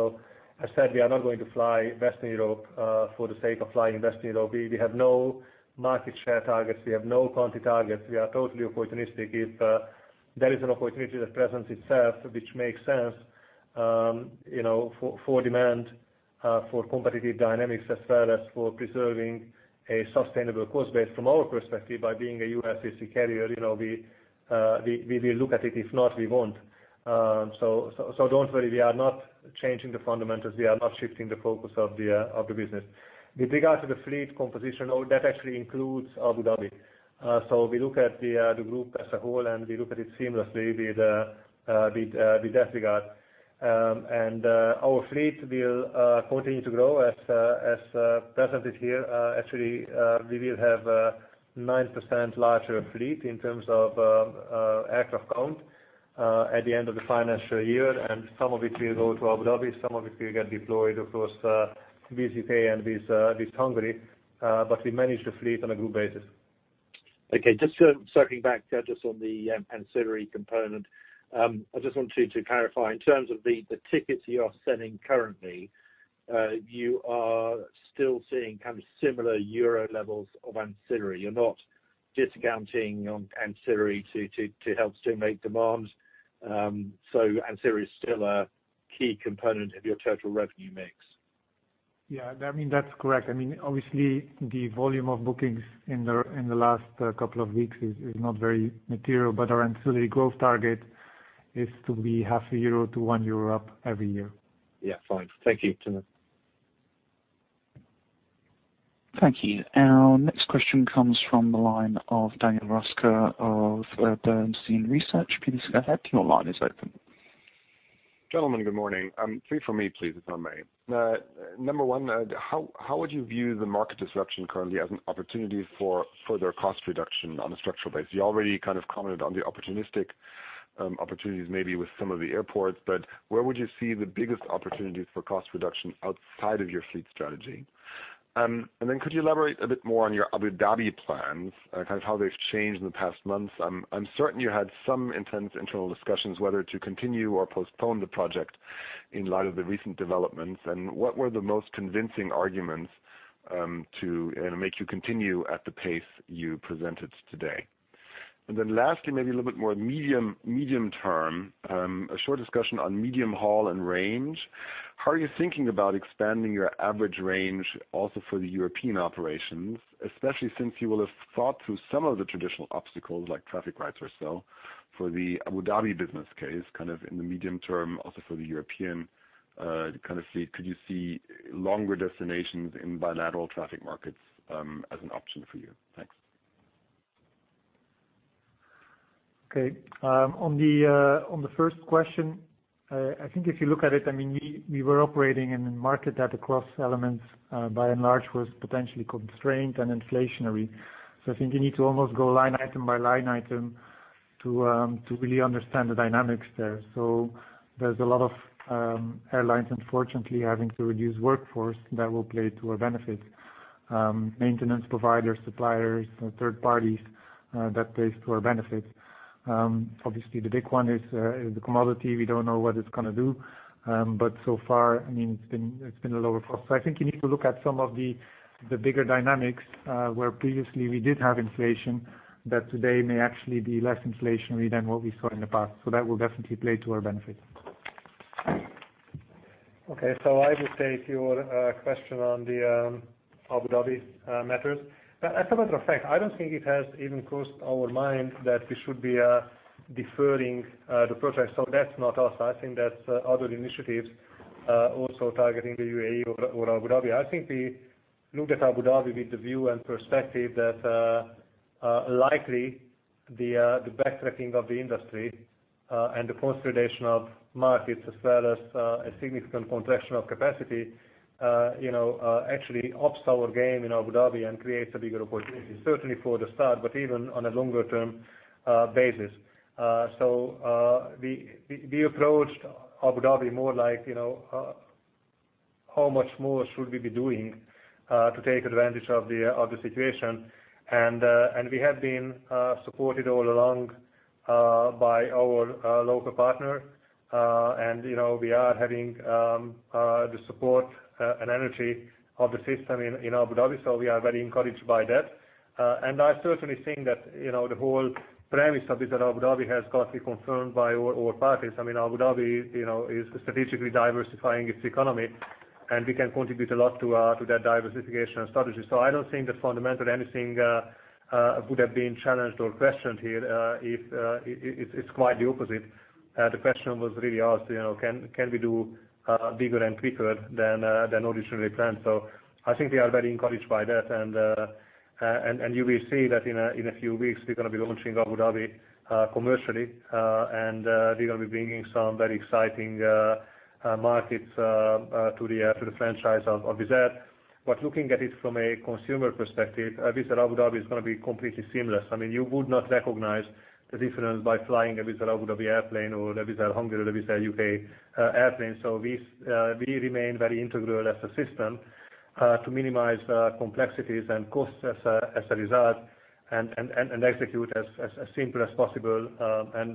As said, we are not going to fly Western Europe for the sake of flying Western Europe. We have no market share targets. We have no quantity targets. We are totally opportunistic. If there is an opportunity that presents itself, which makes sense for demand, for competitive dynamics, as well as for preserving a sustainable cost base from our perspective by being a ULCC carrier, we will look at it. If not, we won't. Don't worry, we are not changing the fundamentals. We are not shifting the focus of the business. With regard to the fleet composition, all that actually includes Abu Dhabi. We look at the group as a whole, and we look at it seamlessly with that regard. Our fleet will continue to grow as presented here. We will have a 9% larger fleet in terms of aircraft count at the end of the financial year, and some of it will go to Abu Dhabi, some of it will get deployed across Wizz UK and Wizz Hungary, but we manage the fleet on a group basis. Okay. Just circling back just on the ancillary component. I just wanted to clarify, in terms of the tickets you are selling currently, you are still seeing kind of similar EUR levels of ancillary. You're not discounting on ancillary to help stimulate demand. Ancillary is still a key component of your total revenue mix. Yeah. That's correct. Obviously, the volume of bookings in the last couple of weeks is not very material, but our ancillary growth target is to be half a euro to one EUR up every year. Yeah, fine. Thank you. Cheers. Thank you. Our next question comes from the line of Daniel Roeska of Bernstein Research. Please go ahead. Your line is open. Gentlemen, good morning. Three from me, please, if I may. Number one, how would you view the market disruption currently as an opportunity for further cost reduction on a structural basis? You already kind of commented on the opportunistic opportunities maybe with some of the airports, but where would you see the biggest opportunities for cost reduction outside of your fleet strategy? Could you elaborate a bit more on your Abu Dhabi plans, kind of how they've changed in the past months? I'm certain you had some intense internal discussions whether to continue or postpone the project. In light of the recent developments, what were the most convincing arguments to make you continue at the pace you presented today? Lastly, maybe a little bit more medium term, a short discussion on medium-haul and range. How are you thinking about expanding your average range also for the European operations? Especially since you will have thought through some of the traditional obstacles like traffic rights or so for the Abu Dhabi business case, kind of in the medium term, also for the European kind of fleet. Could you see longer destinations in bilateral traffic markets as an option for you? Thanks. On the first question, I think if you look at it, we were operating in a market that across elements, by and large, was potentially constrained and inflationary. I think you need to almost go line item by line item to really understand the dynamics there. There's a lot of airlines, unfortunately, having to reduce workforce that will play to our benefit. Maintenance providers, suppliers, third parties, that plays to our benefit. Obviously, the big one is the commodity. We don't know what it's going to do. So far, it's been a lower cost. I think you need to look at some of the bigger dynamics, where previously we did have inflation, that today may actually be less inflationary than what we saw in the past. That will definitely play to our benefit. Okay, I will take your question on the Abu Dhabi matters. As a matter of fact, I don't think it has even crossed our mind that we should be deferring the project. That's not us. I think that's other initiatives also targeting the UAE or Abu Dhabi. I think we looked at Abu Dhabi with the view and perspective that likely the backtracking of the industry and the consolidation of markets, as well as a significant contraction of capacity actually ups our game in Abu Dhabi and creates a bigger opportunity, certainly for the start, but even on a longer term basis. We approached Abu Dhabi more like, how much more should we be doing to take advantage of the situation? We have been supported all along by our local partner. We are having the support and energy of the system in Abu Dhabi, so we are very encouraged by that. I certainly think that the whole premise of this, that Abu Dhabi has got to be confirmed by all parties. I mean, Abu Dhabi is strategically diversifying its economy, and we can contribute a lot to that diversification strategy. I don't think that fundamentally anything would have been challenged or questioned here. It's quite the opposite. The question was really asked, can we do bigger and quicker than originally planned? I think we are very encouraged by that. You will see that in a few weeks, we're going to be launching Abu Dhabi commercially, and we're going to be bringing some very exciting markets to the franchise of Wizz Air. Looking at it from a consumer perspective, Wizz Air Abu Dhabi is going to be completely seamless. You would not recognize the difference by flying a Wizz Air Abu Dhabi airplane or a Wizz Air Hungary or Wizz Air UK airplane. We remain very integral as a system to minimize complexities and costs as a result, and execute as simple as possible.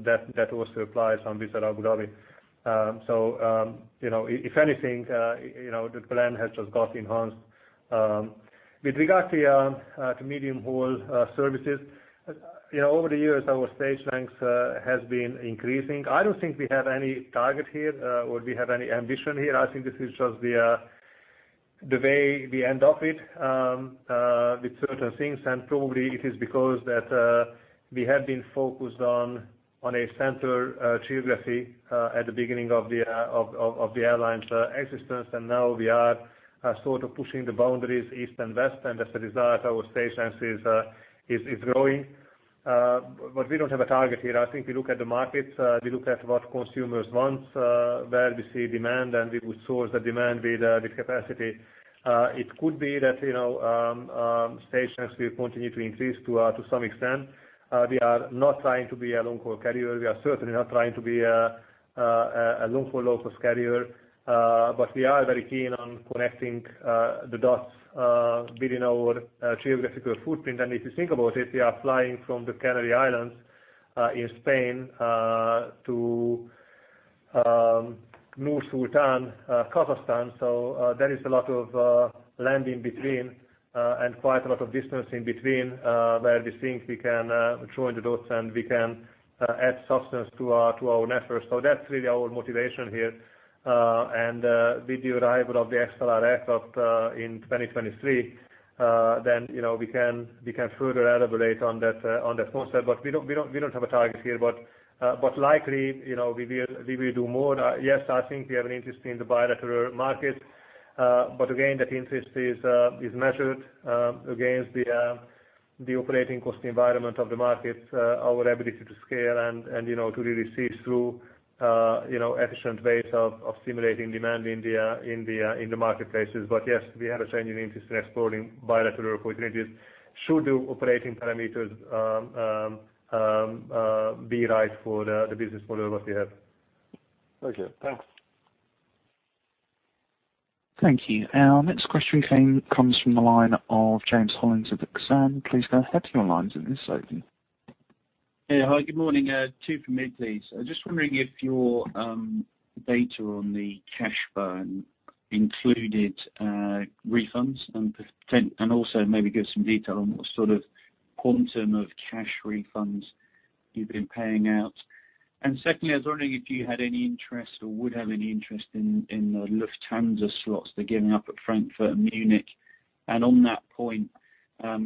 That also applies on Wizz Air Abu Dhabi. If anything, the plan has just got enhanced. With regard to medium-haul services, over the years, our stage lengths have been increasing. I don't think we have any target here, or we have any ambition here. I think this is just the way we end up with certain things. Probably it is because that we have been focused on a center geography at the beginning of the airline's existence. Now we are sort of pushing the boundaries east and west. As a result, our stage length is growing. We don't have a target here. I think we look at the markets, we look at what consumers want, where we see demand, and we would source the demand with the capacity. It could be that stage lengths will continue to increase to some extent. We are not trying to be a long-haul carrier. We are certainly not trying to be a long-haul, low-cost carrier. But we are very keen on connecting the dots within our geographical footprint. If you think about it, we are flying from the Canary Islands in Spain to Nur-Sultan, Kazakhstan. There is a lot of land in between and quite a lot of distance in between, where we think we can join the dots and we can add substance to our network. That's really our motivation here. With the arrival of the A321XLR aircraft in 2023, we can further elaborate on that concept. We don't have a target here. Likely, we will do more. Yes, I think we have an interest in the bilateral market. Again, that interest is measured against the operating cost environment of the market, our ability to scale, and to really seize through efficient ways of stimulating demand in the marketplaces. Yes, we have a genuine interest in exploring bilateral opportunities should the operating parameters be right for the business model that we have. Okay. Thanks. Thank you. Our next question comes from the line of James Hollins at Exane. Please go ahead, your line is open. Yeah. Hi, good morning. Two for me, please. I was just wondering if your data on the cash burn included refunds, and also maybe give some detail on what sort of quantum of cash refunds you've been paying out. Secondly, I was wondering if you had any interest or would have any interest in the Lufthansa slots they're giving up at Frankfurt and Munich. On that point,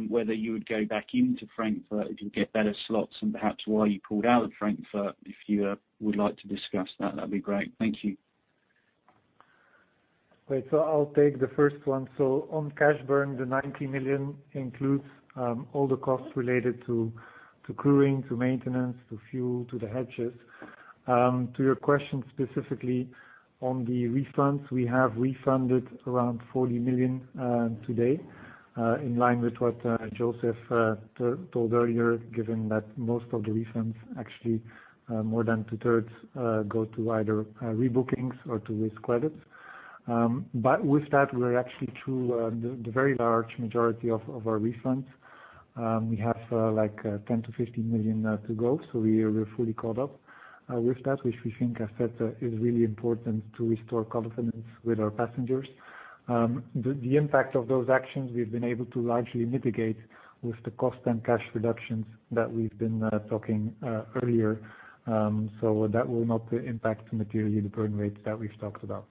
whether you would go back into Frankfurt if you get better slots and perhaps why you pulled out of Frankfurt. If you would like to discuss that'd be great. Thank you. Great. I'll take the first one. On cash burn, the 90 million includes all the costs related to crewing, to maintenance, to fuel, to the hedges. To your question specifically on the refunds, we have refunded around 40 million today, in line with what József told earlier, given that most of the refunds, actually more than two-thirds, go to either rebookings or to risk credits. With that, we're actually through the very large majority of our refunds. We have 10 million-15 million to go, we're fully caught up with that, which we think, as said, is really important to restore confidence with our passengers. The impact of those actions we've been able to largely mitigate with the cost and cash reductions that we've been talking earlier. That will not impact materially the burn rates that we've talked about.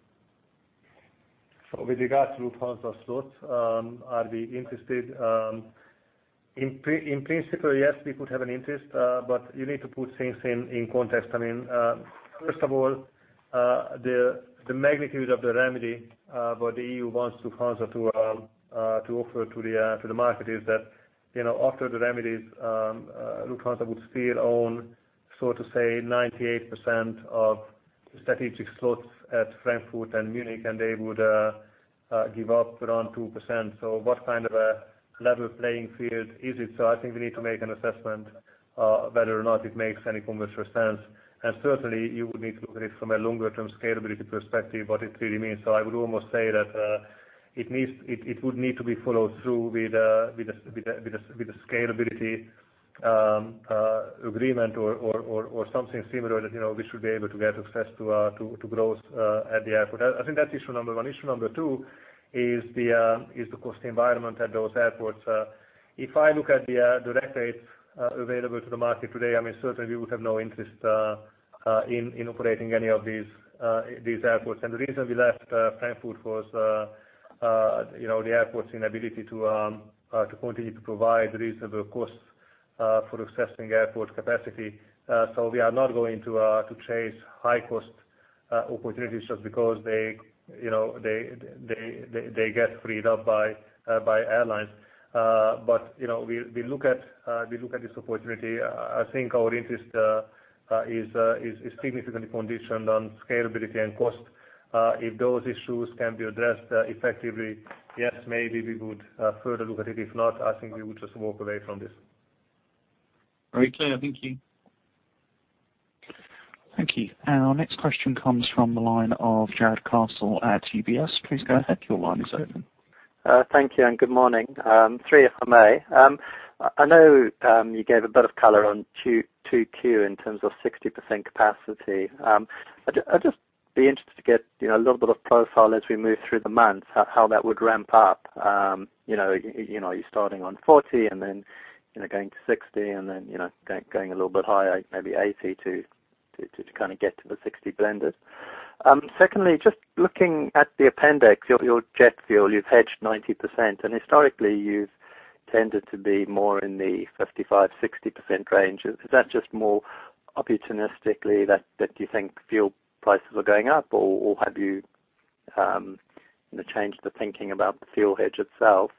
With regards to Lufthansa slots, are we interested? In principle, yes, we could have an interest. You need to put things in context. First of all, the magnitude of the remedy, what the EU wants Lufthansa to offer to the market is that after the remedies, Lufthansa would still own, so to say, 98% of strategic slots at Frankfurt and Munich, and they would give up around 2%. What kind of a level playing field is it? I think we need to make an assessment whether or not it makes any commercial sense. Certainly, you would need to look at it from a longer-term scalability perspective, what it really means. I would almost say that it would need to be followed through with a scalability agreement or something similar that we should be able to get access to growth at the airport. I think that's issue number one. Issue number two is of course the environment at those airports. If I look at the direct rates available to the market today, certainly we would have no interest in operating any of these airports. The reason we left Frankfurt was the airport's inability to continue to provide reasonable costs for accessing airport capacity. We are not going to chase high-cost opportunities just because they get freed up by airlines. We look at this opportunity. I think our interest is significantly conditioned on scalability and cost. If those issues can be addressed effectively, yes, maybe we would further look at it. If not, I think we would just walk away from this. Very clear. Thank you. Thank you. Our next question comes from the line of Jarrod Castle at UBS. Please go ahead. Your line is open. Thank you, and good morning. Three, if I may. I know you gave a bit of color on 2Q in terms of 60% capacity. I'd just be interested to get a little bit of profile as we move through the months, how that would ramp up. Are you starting on 40% and then going to 60% and then going a little bit higher, maybe 80%, to kind of get to the 60% blended? Secondly, just looking at the appendix, your jet fuel, you've hedged 90%, and historically, you've tended to be more in the 55%-60% range. Is that just more opportunistically that you think fuel prices are going up, or have you changed the thinking about the fuel hedge itself?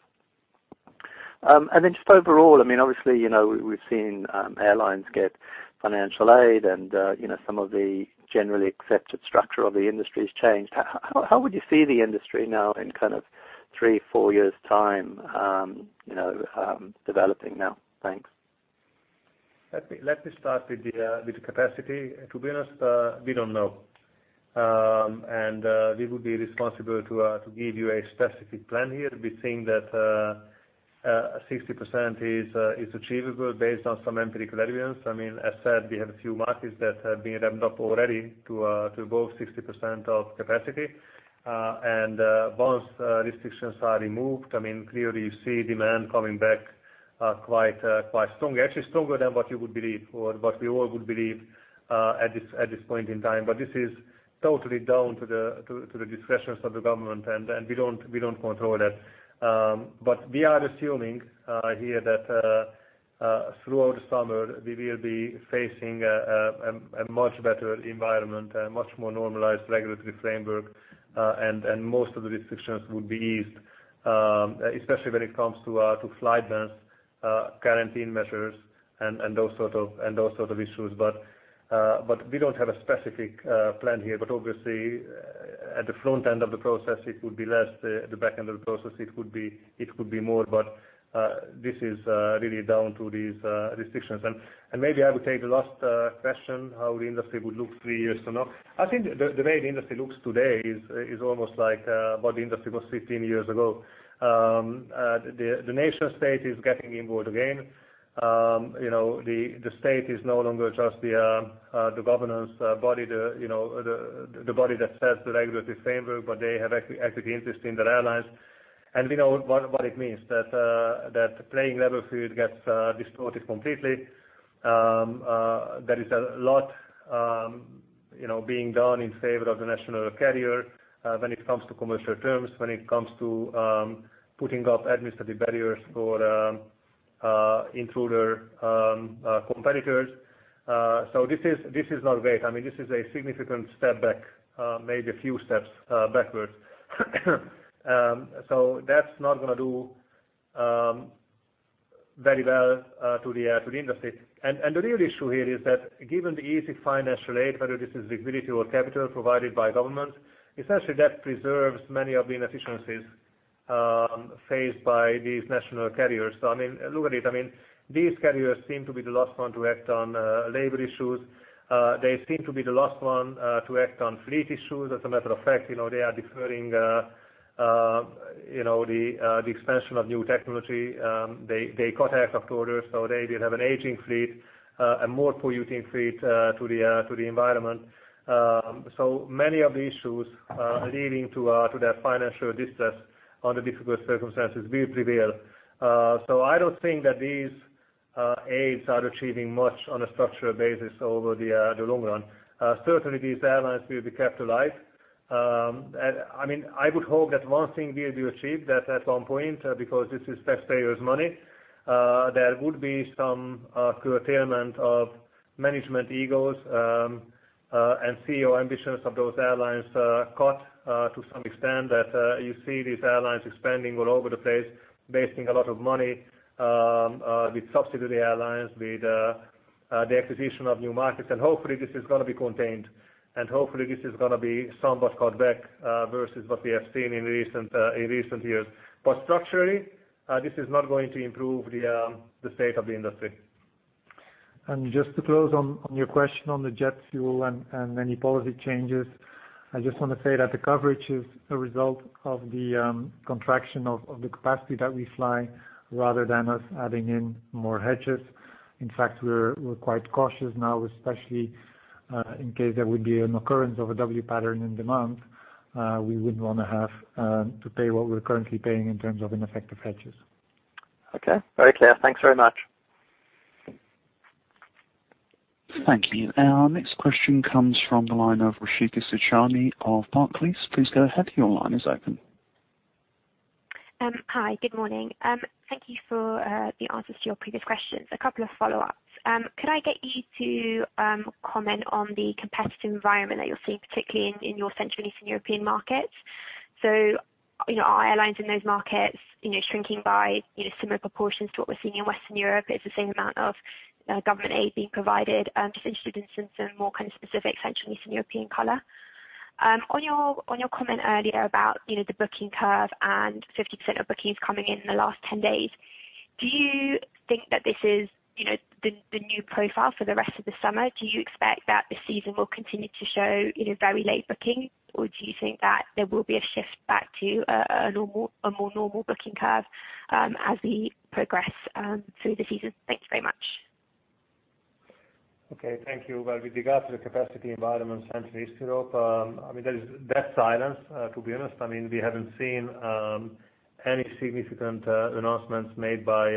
Just overall, obviously, we've seen airlines get financial aid, and some of the generally accepted structure of the industry has changed. How would you see the industry now in kind of three, four years' time, developing now? Thanks. Let me start with the capacity. To be honest, we don't know. We would be irresponsible to give you a specific plan here. We think that 60% is achievable based on some empirical evidence. As said, we have a few markets that have been ramped up already to above 60% of capacity. Once restrictions are removed, clearly you see demand coming back quite strongly. Actually stronger than what you would believe, or what we all would believe at this point in time. This is totally down to the discretions of the government, and we don't control that. We are assuming here that throughout the summer, we will be facing a much better environment, a much more normalized regulatory framework, and most of the restrictions would be eased, especially when it comes to flight bans, quarantine measures, and those sort of issues. We don't have a specific plan here, but obviously at the front end of the process, it would be less. At the back end of the process, it could be more, but this is really down to these restrictions. Maybe I would take the last question, how the industry would look three years from now. I think the way the industry looks today is almost like what the industry was 15 years ago. The nation state is getting involved again. The state is no longer just the governance body, the body that sets the regulatory framework, but they have active interest in the airlines. We know what it means, that the playing level field gets distorted completely. There is a lot being done in favor of the national carrier when it comes to commercial terms, when it comes to putting up administrative barriers for intruder competitors. This is not great. This is a significant step back, maybe a few steps backwards. That's not going to do very well to the industry. The real issue here is that given the easy financial aid, whether this is liquidity or capital provided by government, essentially that preserves many of the inefficiencies faced by these national carriers. Look at it, these carriers seem to be the last one to act on labor issues. They seem to be the last one to act on fleet issues. As a matter of fact, they are deferring the expansion of new technology. They cut half of orders, they will have an aging fleet, a more polluting fleet to the environment. Many of the issues leading to their financial distress under difficult circumstances will prevail. I don't think that these aids are achieving much on a structural basis over the long run. Certainly, these airlines will be kept alive. I would hope that one thing will be achieved, that at one point, because this is taxpayers' money, there would be some curtailment of management egos and CEO ambitions of those airlines cut to some extent, that you see these airlines expanding all over the place, wasting a lot of money with subsidy airlines, with the acquisition of new markets. Hopefully this is going to be contained, and hopefully this is going to be somewhat cut back versus what we have seen in recent years. Structurally, this is not going to improve the state of the industry. Just to close on your question on the jet fuel and any policy changes, I just want to say that the coverage is a result of the contraction of the capacity that we fly rather than us adding in more hedges. In fact, we're quite cautious now, especially in case there would be an occurrence of a W pattern in demand. We wouldn't want to have to pay what we're currently paying in terms of ineffective hedges. Okay. Very clear. Thanks very much. Thank you. Our next question comes from the line of Rishika Savjani of Barclays. Please go ahead, your line is open. Hi. Good morning. Thank you for the answers to your previous questions. A couple of follow-ups. Could I get you to comment on the competitive environment that you're seeing, particularly in your Central Eastern European markets? Are airlines in those markets shrinking by similar proportions to what we're seeing in Western Europe? Is the same amount of government aid being provided? Just interested in some more kind of specific Central Eastern European color. On your comment earlier about the booking curve and 50% of bookings coming in the last 10 days, do you think that this is the new profile for the rest of the summer? Do you expect that the season will continue to show very late bookings, or do you think that there will be a shift back to a more normal booking curve as we progress through the season? Thank you very much. Okay, thank you. Well, with regard to the capacity environment in Central East Europe, there is deaf silence, to be honest. We haven't seen any significant announcements made by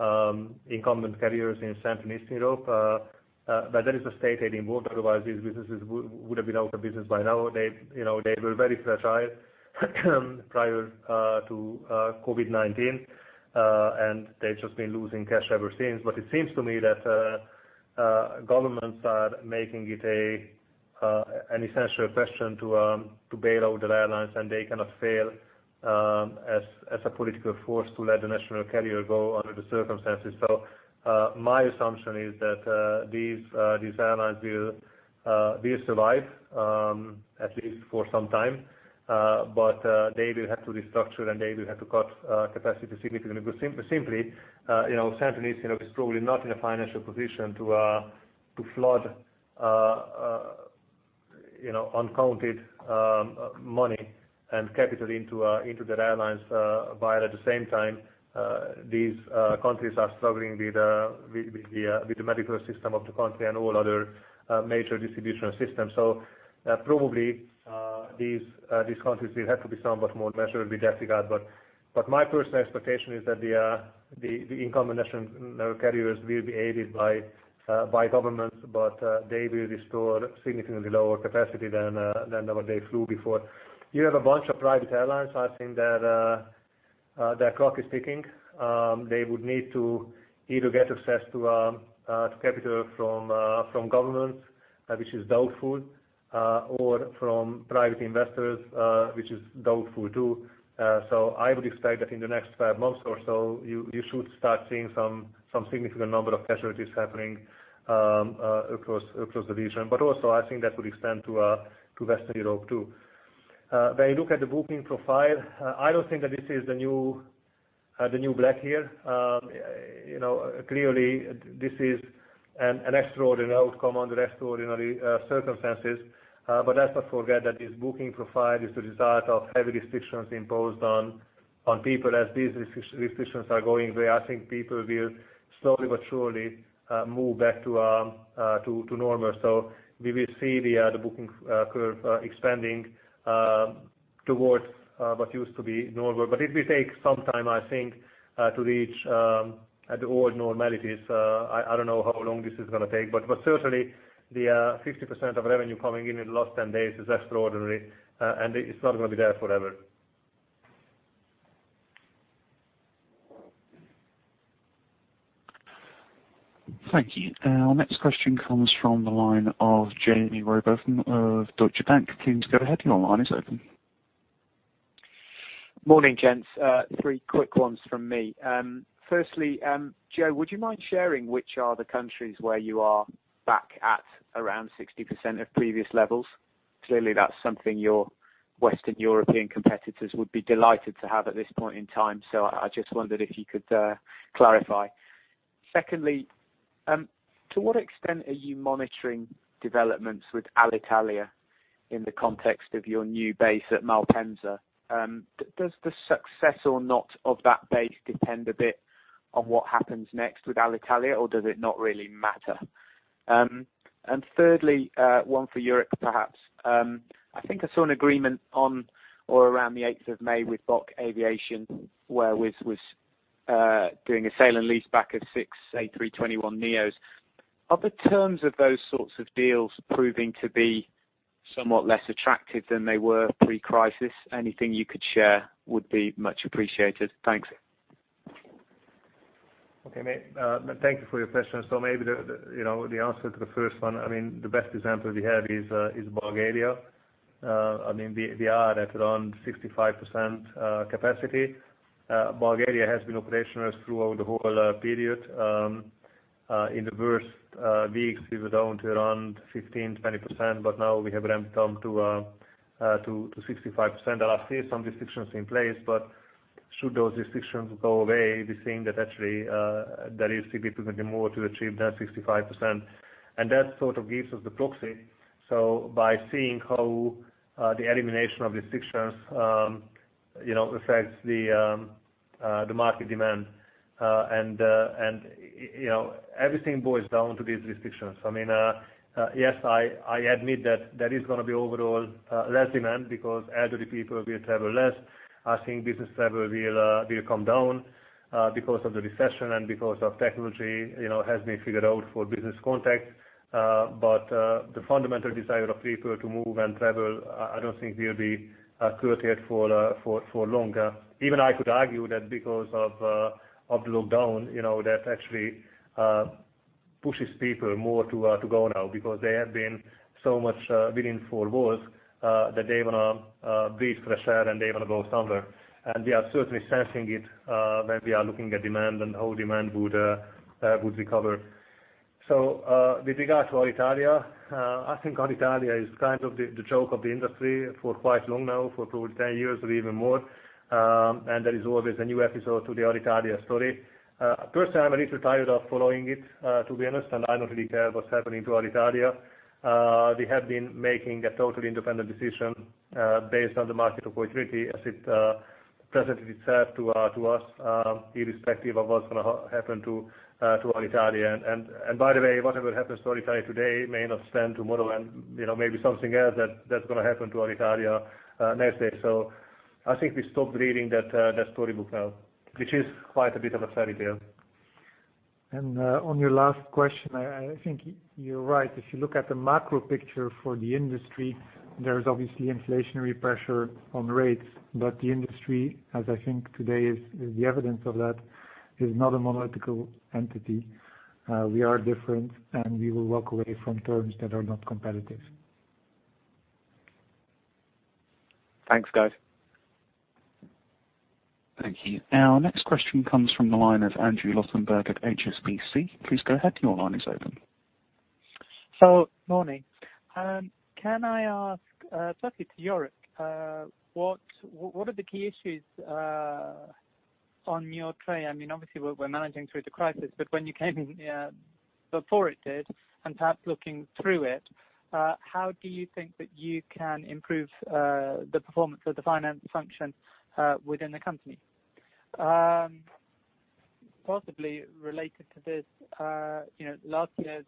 incumbent carriers in Central Eastern Europe. There is a state aid involved, otherwise these businesses would have been out of business by now. They were very fragile prior to COVID-19, and they've just been losing cash ever since. It seems to me that governments are making it an essential question to bail out their airlines, and they cannot fail as a political force to let the national carrier go under the circumstances. My assumption is that these airlines will survive, at least for some time. They will have to restructure, and they will have to cut capacity significantly. Simply, Central Eastern Europe is probably not in a financial position to flood uncounted money and capital into their airlines, while at the same time these countries are struggling with the medical system of the country and all other major distribution systems. Probably these countries will have to be somewhat more measured with that regard. My personal expectation is that the incumbent national carriers will be aided by governments, but they will restore significantly lower capacity than what they flew before. You have a bunch of private airlines, I think their clock is ticking. They would need to either get access to capital from governments, which is doubtful, or from private investors, which is doubtful, too. I would expect that in the next five months or so, you should start seeing some significant number of casualties happening across the region. Also, I think that would extend to Western Europe, too. When you look at the booking profile, I don't think that this is the new black here. Clearly, this is an extraordinary outcome under extraordinary circumstances. Let's not forget that this booking profile is the result of heavy restrictions imposed on people as these restrictions are going away, I think people will slowly but surely move back to normal. We will see the booking curve expanding towards what used to be normal. It will take some time, I think, to reach the old normalities. I don't know how long this is going to take, but certainly the 60% of revenue coming in the last 10 days is extraordinary, and it's not going to be there forever. Thank you. Our next question comes from the line of Jaime Rowbotham of Deutsche Bank. Please go ahead, your line is open. Morning, gents. Three quick ones from me. Firstly, Joe, would you mind sharing which are the countries where you are back at around 60% of previous levels? Clearly, that's something your Western European competitors would be delighted to have at this point in time. I just wondered if you could clarify. Secondly, to what extent are you monitoring developments with Alitalia in the context of your new base at Malpensa? Does the success or not of that base depend a bit on what happens next with Alitalia, or does it not really matter? Thirdly, one for Jourik perhaps. I think I saw an agreement on or around the 8th of May with BOC Aviation, where Wizz was doing a sale and leaseback of six A321neos. Are the terms of those sorts of deals proving to be somewhat less attractive than they were pre-crisis? Anything you could share would be much appreciated. Thanks. Okay, Jaime. Thank you for your question. Maybe the answer to the first one, the best example we have is Bulgaria. We are at around 65% capacity. Bulgaria has been operational throughout the whole period. In the worst weeks, we were down to around 15%-20%, but now we have ramped up to 65%. There are still some restrictions in place, but should those restrictions go away, we're seeing that actually there is significantly more to achieve than 65%. That sort of gives us the proxy by seeing how the elimination of restrictions affects the market demand. Everything boils down to these restrictions. Yes, I admit that there is going to be overall less demand because elderly people will travel less. I think business travel will come down because of the recession and because technology has been figured out for business contacts. The fundamental desire of people to move and travel, I don't think will be curtailed for long. Even I could argue that because of the lockdown, that actually pushes people more to go now because they have been so much within four walls that they want to breathe fresh air, and they want to go somewhere. We are certainly sensing it when we are looking at demand and how demand would recover. With regard to Alitalia, I think Alitalia is kind of the joke of the industry for quite long now, for probably 10 years or even more. There is always a new episode to the Alitalia story. Personally, I'm a little tired of following it. To be honest, I don't really care what's happening to Alitalia. We have been making a totally independent decision based on the market opportunity as it presented itself to us, irrespective of what's going to happen to Alitalia. By the way, whatever happens to Alitalia today may not stand tomorrow, and maybe something else that's going to happen to Alitalia next day. I think we stopped reading that storybook now, which is quite a bit of a fairy tale. On your last question, I think you're right. If you look at the macro picture for the industry, there's obviously inflationary pressure on rates. The industry, as I think today is the evidence of that, is not a monolithical entity. We are different, and we will walk away from terms that are not competitive. Thanks, guys. Thank you. Our next question comes from the line of Andrew Lobbenberg at HSBC. Please go ahead. Your line is open. Morning. Can I ask, firstly to Jourik, what are the key issues on your tray? Obviously, we're managing through the crisis, but when you came in before it did, and perhaps looking through it, how do you think that you can improve the performance of the finance function within the company? Possibly related to this, last year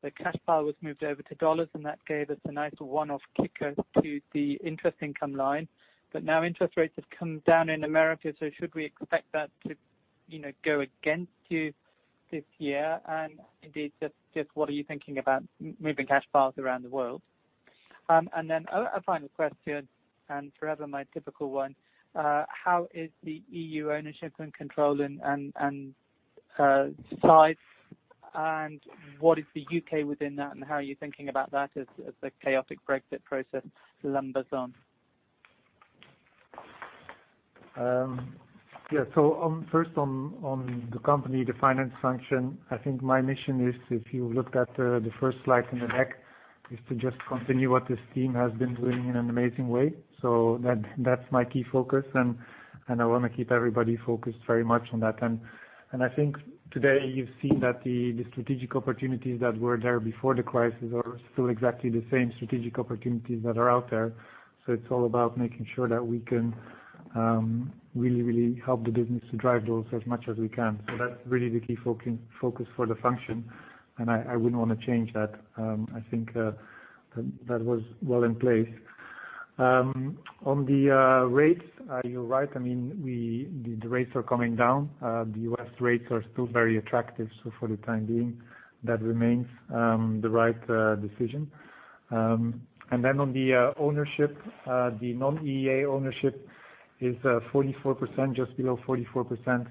the cash pile was moved over to USD, and that gave us a nice one-off kicker to the interest income line. Now interest rates have come down in America, should we expect that to go against you this year? Indeed, just what are you thinking about moving cash piles around the world? A final question, and forever my typical one, how is the EU ownership and control and size, and what is the U.K. within that, and how are you thinking about that as the chaotic Brexit process lumbers on? Yeah. First on the company, the finance function, I think my mission is, if you looked at the first slide in the deck, is to just continue what this team has been doing in an amazing way. That's my key focus, and I want to keep everybody focused very much on that. I think today you've seen that the strategic opportunities that were there before the crisis are still exactly the same strategic opportunities that are out there. It's all about making sure that we can Really help the business to drive those as much as we can. That's really the key focus for the function, and I wouldn't want to change that. I think that was well in place. On the rates, you're right. The rates are coming down. The U.S. rates are still very attractive. For the time being, that remains the right decision. On the ownership, the non-EEA ownership is 44%, just below 44%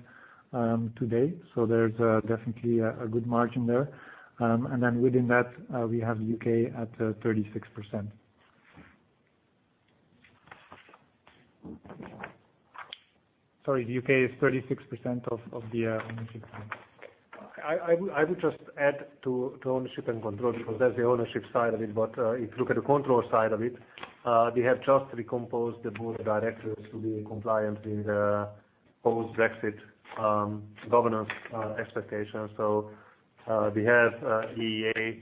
today. There's definitely a good margin there. Within that, we have U.K. at 36%. Sorry, the U.K. is 36% of the ownership. I would just add to ownership and control because that's the ownership side of it, but if you look at the control side of it, we have just recomposed the board of directors to be compliant with the post-Brexit governance expectations. We have EEA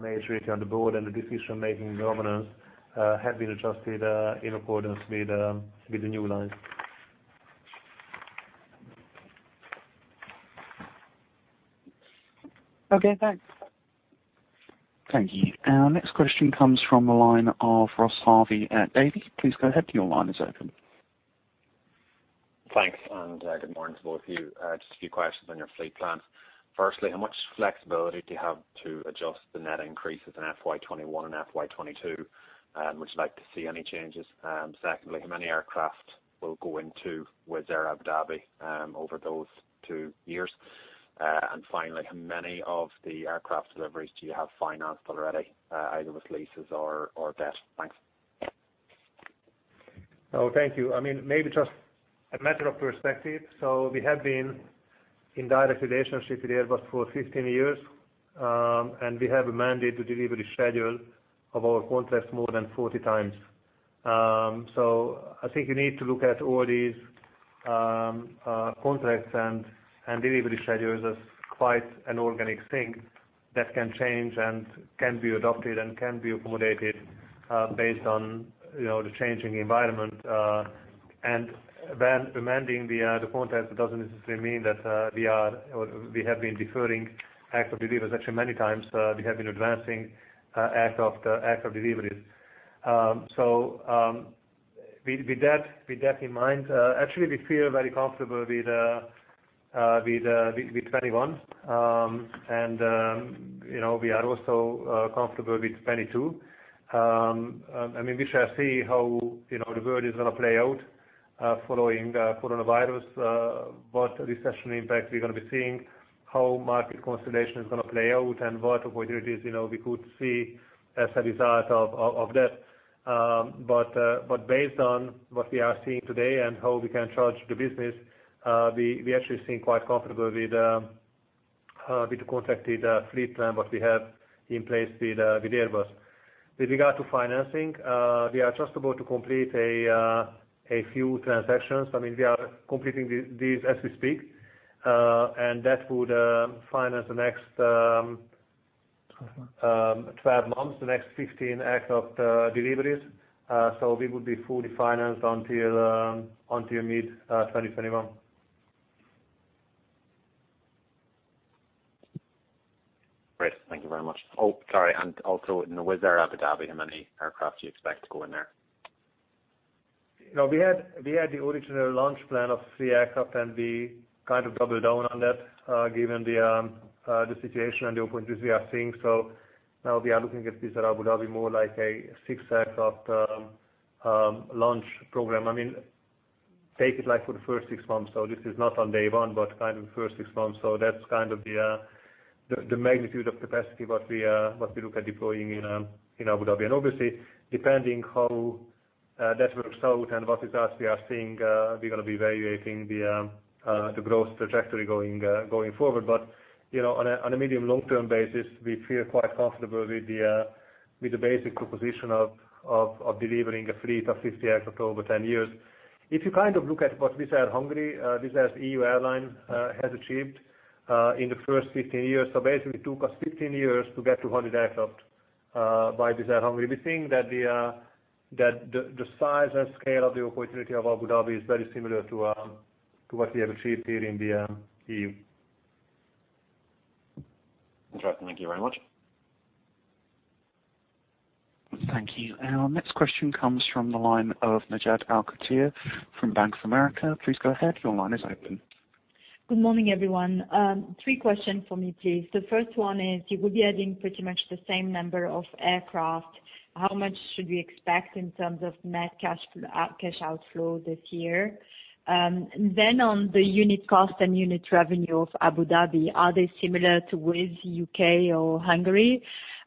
majority on the board, and the decision-making governance has been adjusted in accordance with the new lines. Okay, thanks. Thank you. Our next question comes from the line of Ross Harvey at Davy. Please go ahead, your line is open. Thanks, and good morning to both of you. Just a few questions on your fleet plans. Firstly, how much flexibility do you have to adjust the net increases in FY 2021 and FY 2022? Would you like to see any changes? Secondly, how many aircraft will go into Wizz Air Abu Dhabi over those two years? Finally, how many of the aircraft deliveries do you have financed already, either with leases or debt? Thanks. Thank you. Maybe just a matter of perspective. We have been in direct relationship with Airbus for 15 years, and we have amended the delivery schedule of our contracts more than 40 times. I think you need to look at all these contracts and delivery schedules as quite an organic thing that can change and can be adopted and can be accommodated based on the changing environment. Amending the contract doesn't necessarily mean that we have been deferring aircraft deliveries. Actually, many times, we have been advancing aircraft deliveries. With that in mind, actually, we feel very comfortable with 2021. We are also comfortable with 2022. We shall see how the world is going to play out following coronavirus, what recession impact we are going to be seeing, how market consolidation is going to play out, and what opportunities we could see as a result of that. Based on what we are seeing today and how we can charge the business, we actually seem quite comfortable with the contracted fleet plan what we have in place with Airbus. With regard to financing, we are just about to complete a few transactions. We are completing these as we speak, and that would finance the next 12 months, the next 15 aircraft deliveries. We would be fully financed until mid-2021. Great. Thank you very much. Oh, sorry. Also in Wizz Air Abu Dhabi, how many aircraft do you expect to go in there? We had the original launch plan of three aircraft, we kind of doubled down on that given the situation and the opportunities we are seeing. Now we are looking at Wizz Air Abu Dhabi more like a six-aircraft launch program. Take it like for the first six months. This is not on day one, but kind of the first six months. That's kind of the magnitude of capacity what we look at deploying in Abu Dhabi. Obviously, depending how that works out and what results we are seeing, we're going to be evaluating the growth trajectory going forward. On a medium long-term basis, we feel quite comfortable with the basic proposition of delivering a fleet of 50 aircraft over 10 years. If you kind of look at what Wizz Air Hungary, Wizz Air's EU airline, has achieved in the first 15 years. Basically, it took us 15 years to get to 100 aircraft by Wizz Air Hungary. We think that the size and scale of the opportunity of Abu Dhabi is very similar to what we have achieved here in the EU. Interesting. Thank you very much. Thank you. Our next question comes from the line of Najat Al-Khatir from Bank of America. Please go ahead. Your line is open. Good morning, everyone. Three questions from me, please. The first one is, you will be adding pretty much the same number of aircraft. How much should we expect in terms of net cash outflow this year? On the unit cost and unit revenue of Wizz Air Abu Dhabi, are they similar to Wizz Air UK or Hungary?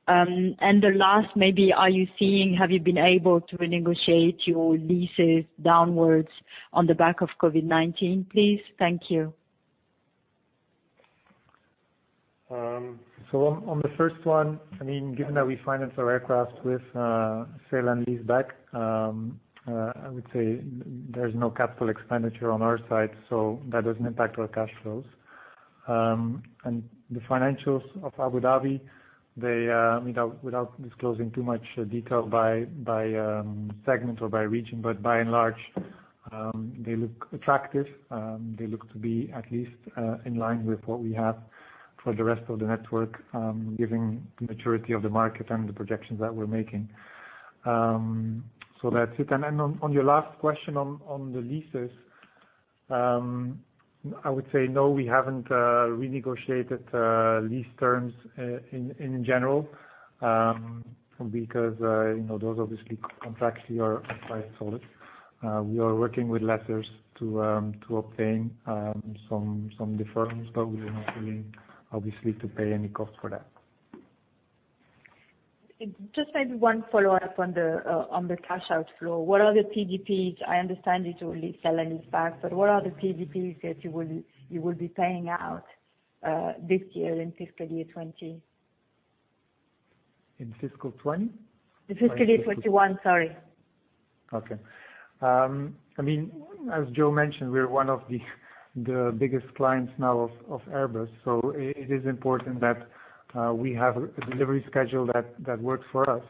The last maybe, have you been able to renegotiate your leases downwards on the back of COVID-19, please? Thank you. On the first one, given that we finance our aircraft with sale and leaseback, I would say there's no capital expenditure on our side, so that doesn't impact our cash flows. The financials of Abu Dhabi, without disclosing too much detail by segment or by region, but by and large, they look attractive. They look to be at least in line with what we have for the rest of the network, given the maturity of the market and the projections that we're making. That's it. On your last question on the leases, I would say no, we haven't renegotiated lease terms in general. Those obviously contracts here are quite solid. We are working with lessors to obtain some deferments, but we are not willing, obviously, to pay any cost for that. Maybe one follow-up on the cash outflow. What are the PDPs? I understand you to lease, sale and leaseback, what are the PDPs that you will be paying out this year in fiscal year 2020? In fiscal 2020? In fiscal year 2021, sorry. Okay. As Joe mentioned, we are one of the biggest clients now of Airbus. It is important that we have a delivery schedule that works for us,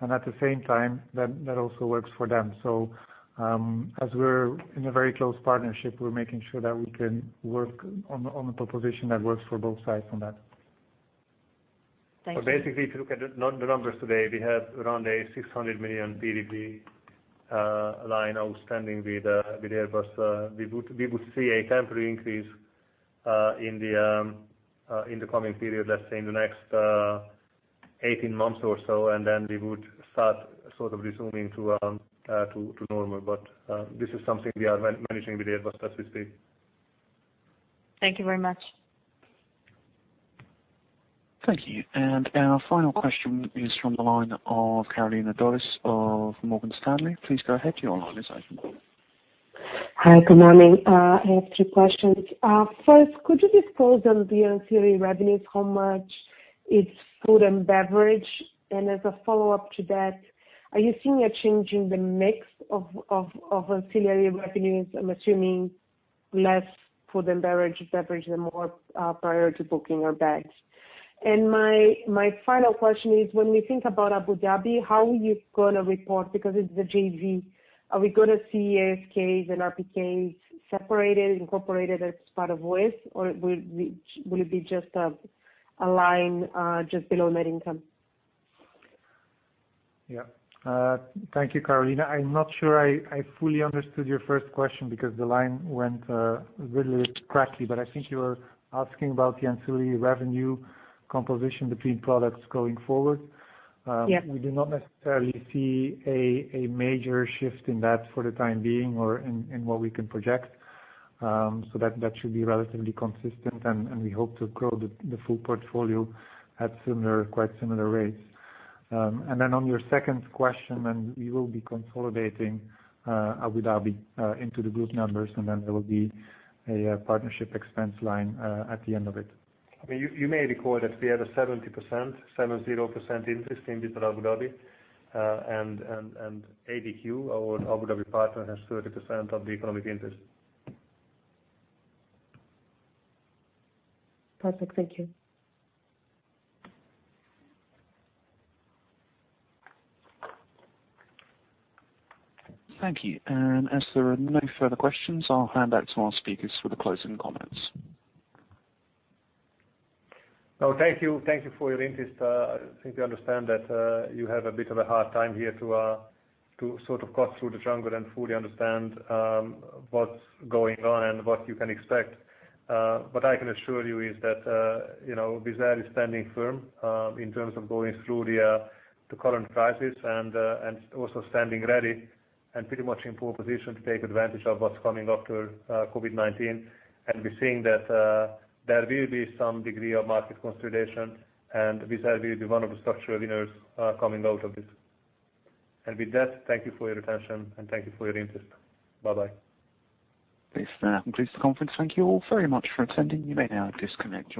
and at the same time, that also works for them. As we're in a very close partnership, we're making sure that we can work on a proposition that works for both sides on that. Thank you. Basically, if you look at the numbers today, we have around a 600 million PDP line outstanding with Airbus. We would see a temporary increase in the coming period, let's say in the next 18 months or so, and then we would start sort of resuming to normal. This is something we are managing with Airbus as we speak. Thank you very much. Thank you. Our final question is from the line of Carolina Dores of Morgan Stanley. Please go ahead, your line is open. Hi, good morning. I have three questions. First, could you disclose on the ancillary revenues how much it's food and beverage? As a follow-up to that, are you seeing a change in the mix of ancillary revenues? I'm assuming less food and beverage, and more prior to booking or bags. My final question is, when we think about Abu Dhabi, how are you going to report because it's the JV? Are we going to see ASKs and RPKs separated, incorporated as part of Wizz, or will it be just a line just below net income? Yeah. Thank you, Carolina. I'm not sure I fully understood your first question because the line went a little bit crackly, but I think you were asking about the ancillary revenue composition between products going forward. Yeah. We do not necessarily see a major shift in that for the time being or in what we can project. That should be relatively consistent, and we hope to grow the full portfolio at quite similar rates. On your second question, we will be consolidating Abu Dhabi into the group numbers, and then there will be a partnership expense line at the end of it. You may recall that we have a 70%, seven, zero percent interest in Wizz Air Abu Dhabi. ADQ, our Abu Dhabi partner, has 30% of the economic interest. Perfect. Thank you. Thank you. As there are no further questions, I'll hand back to our speakers for the closing comments. Thank you. Thank you for your interest. I think we understand that you have a bit of a hard time here to sort of cut through the jungle and fully understand what's going on and what you can expect. What I can assure you is that Wizz Air is standing firm in terms of going through the current crisis and also standing ready and pretty much in pole position to take advantage of what's coming after COVID-19. We're seeing that there will be some degree of market consolidation, and Wizz Air will be one of the structural winners coming out of this. With that, thank you for your attention and thank you for your interest. Bye-bye. This now concludes the conference. Thank you all very much for attending. You may now disconnect.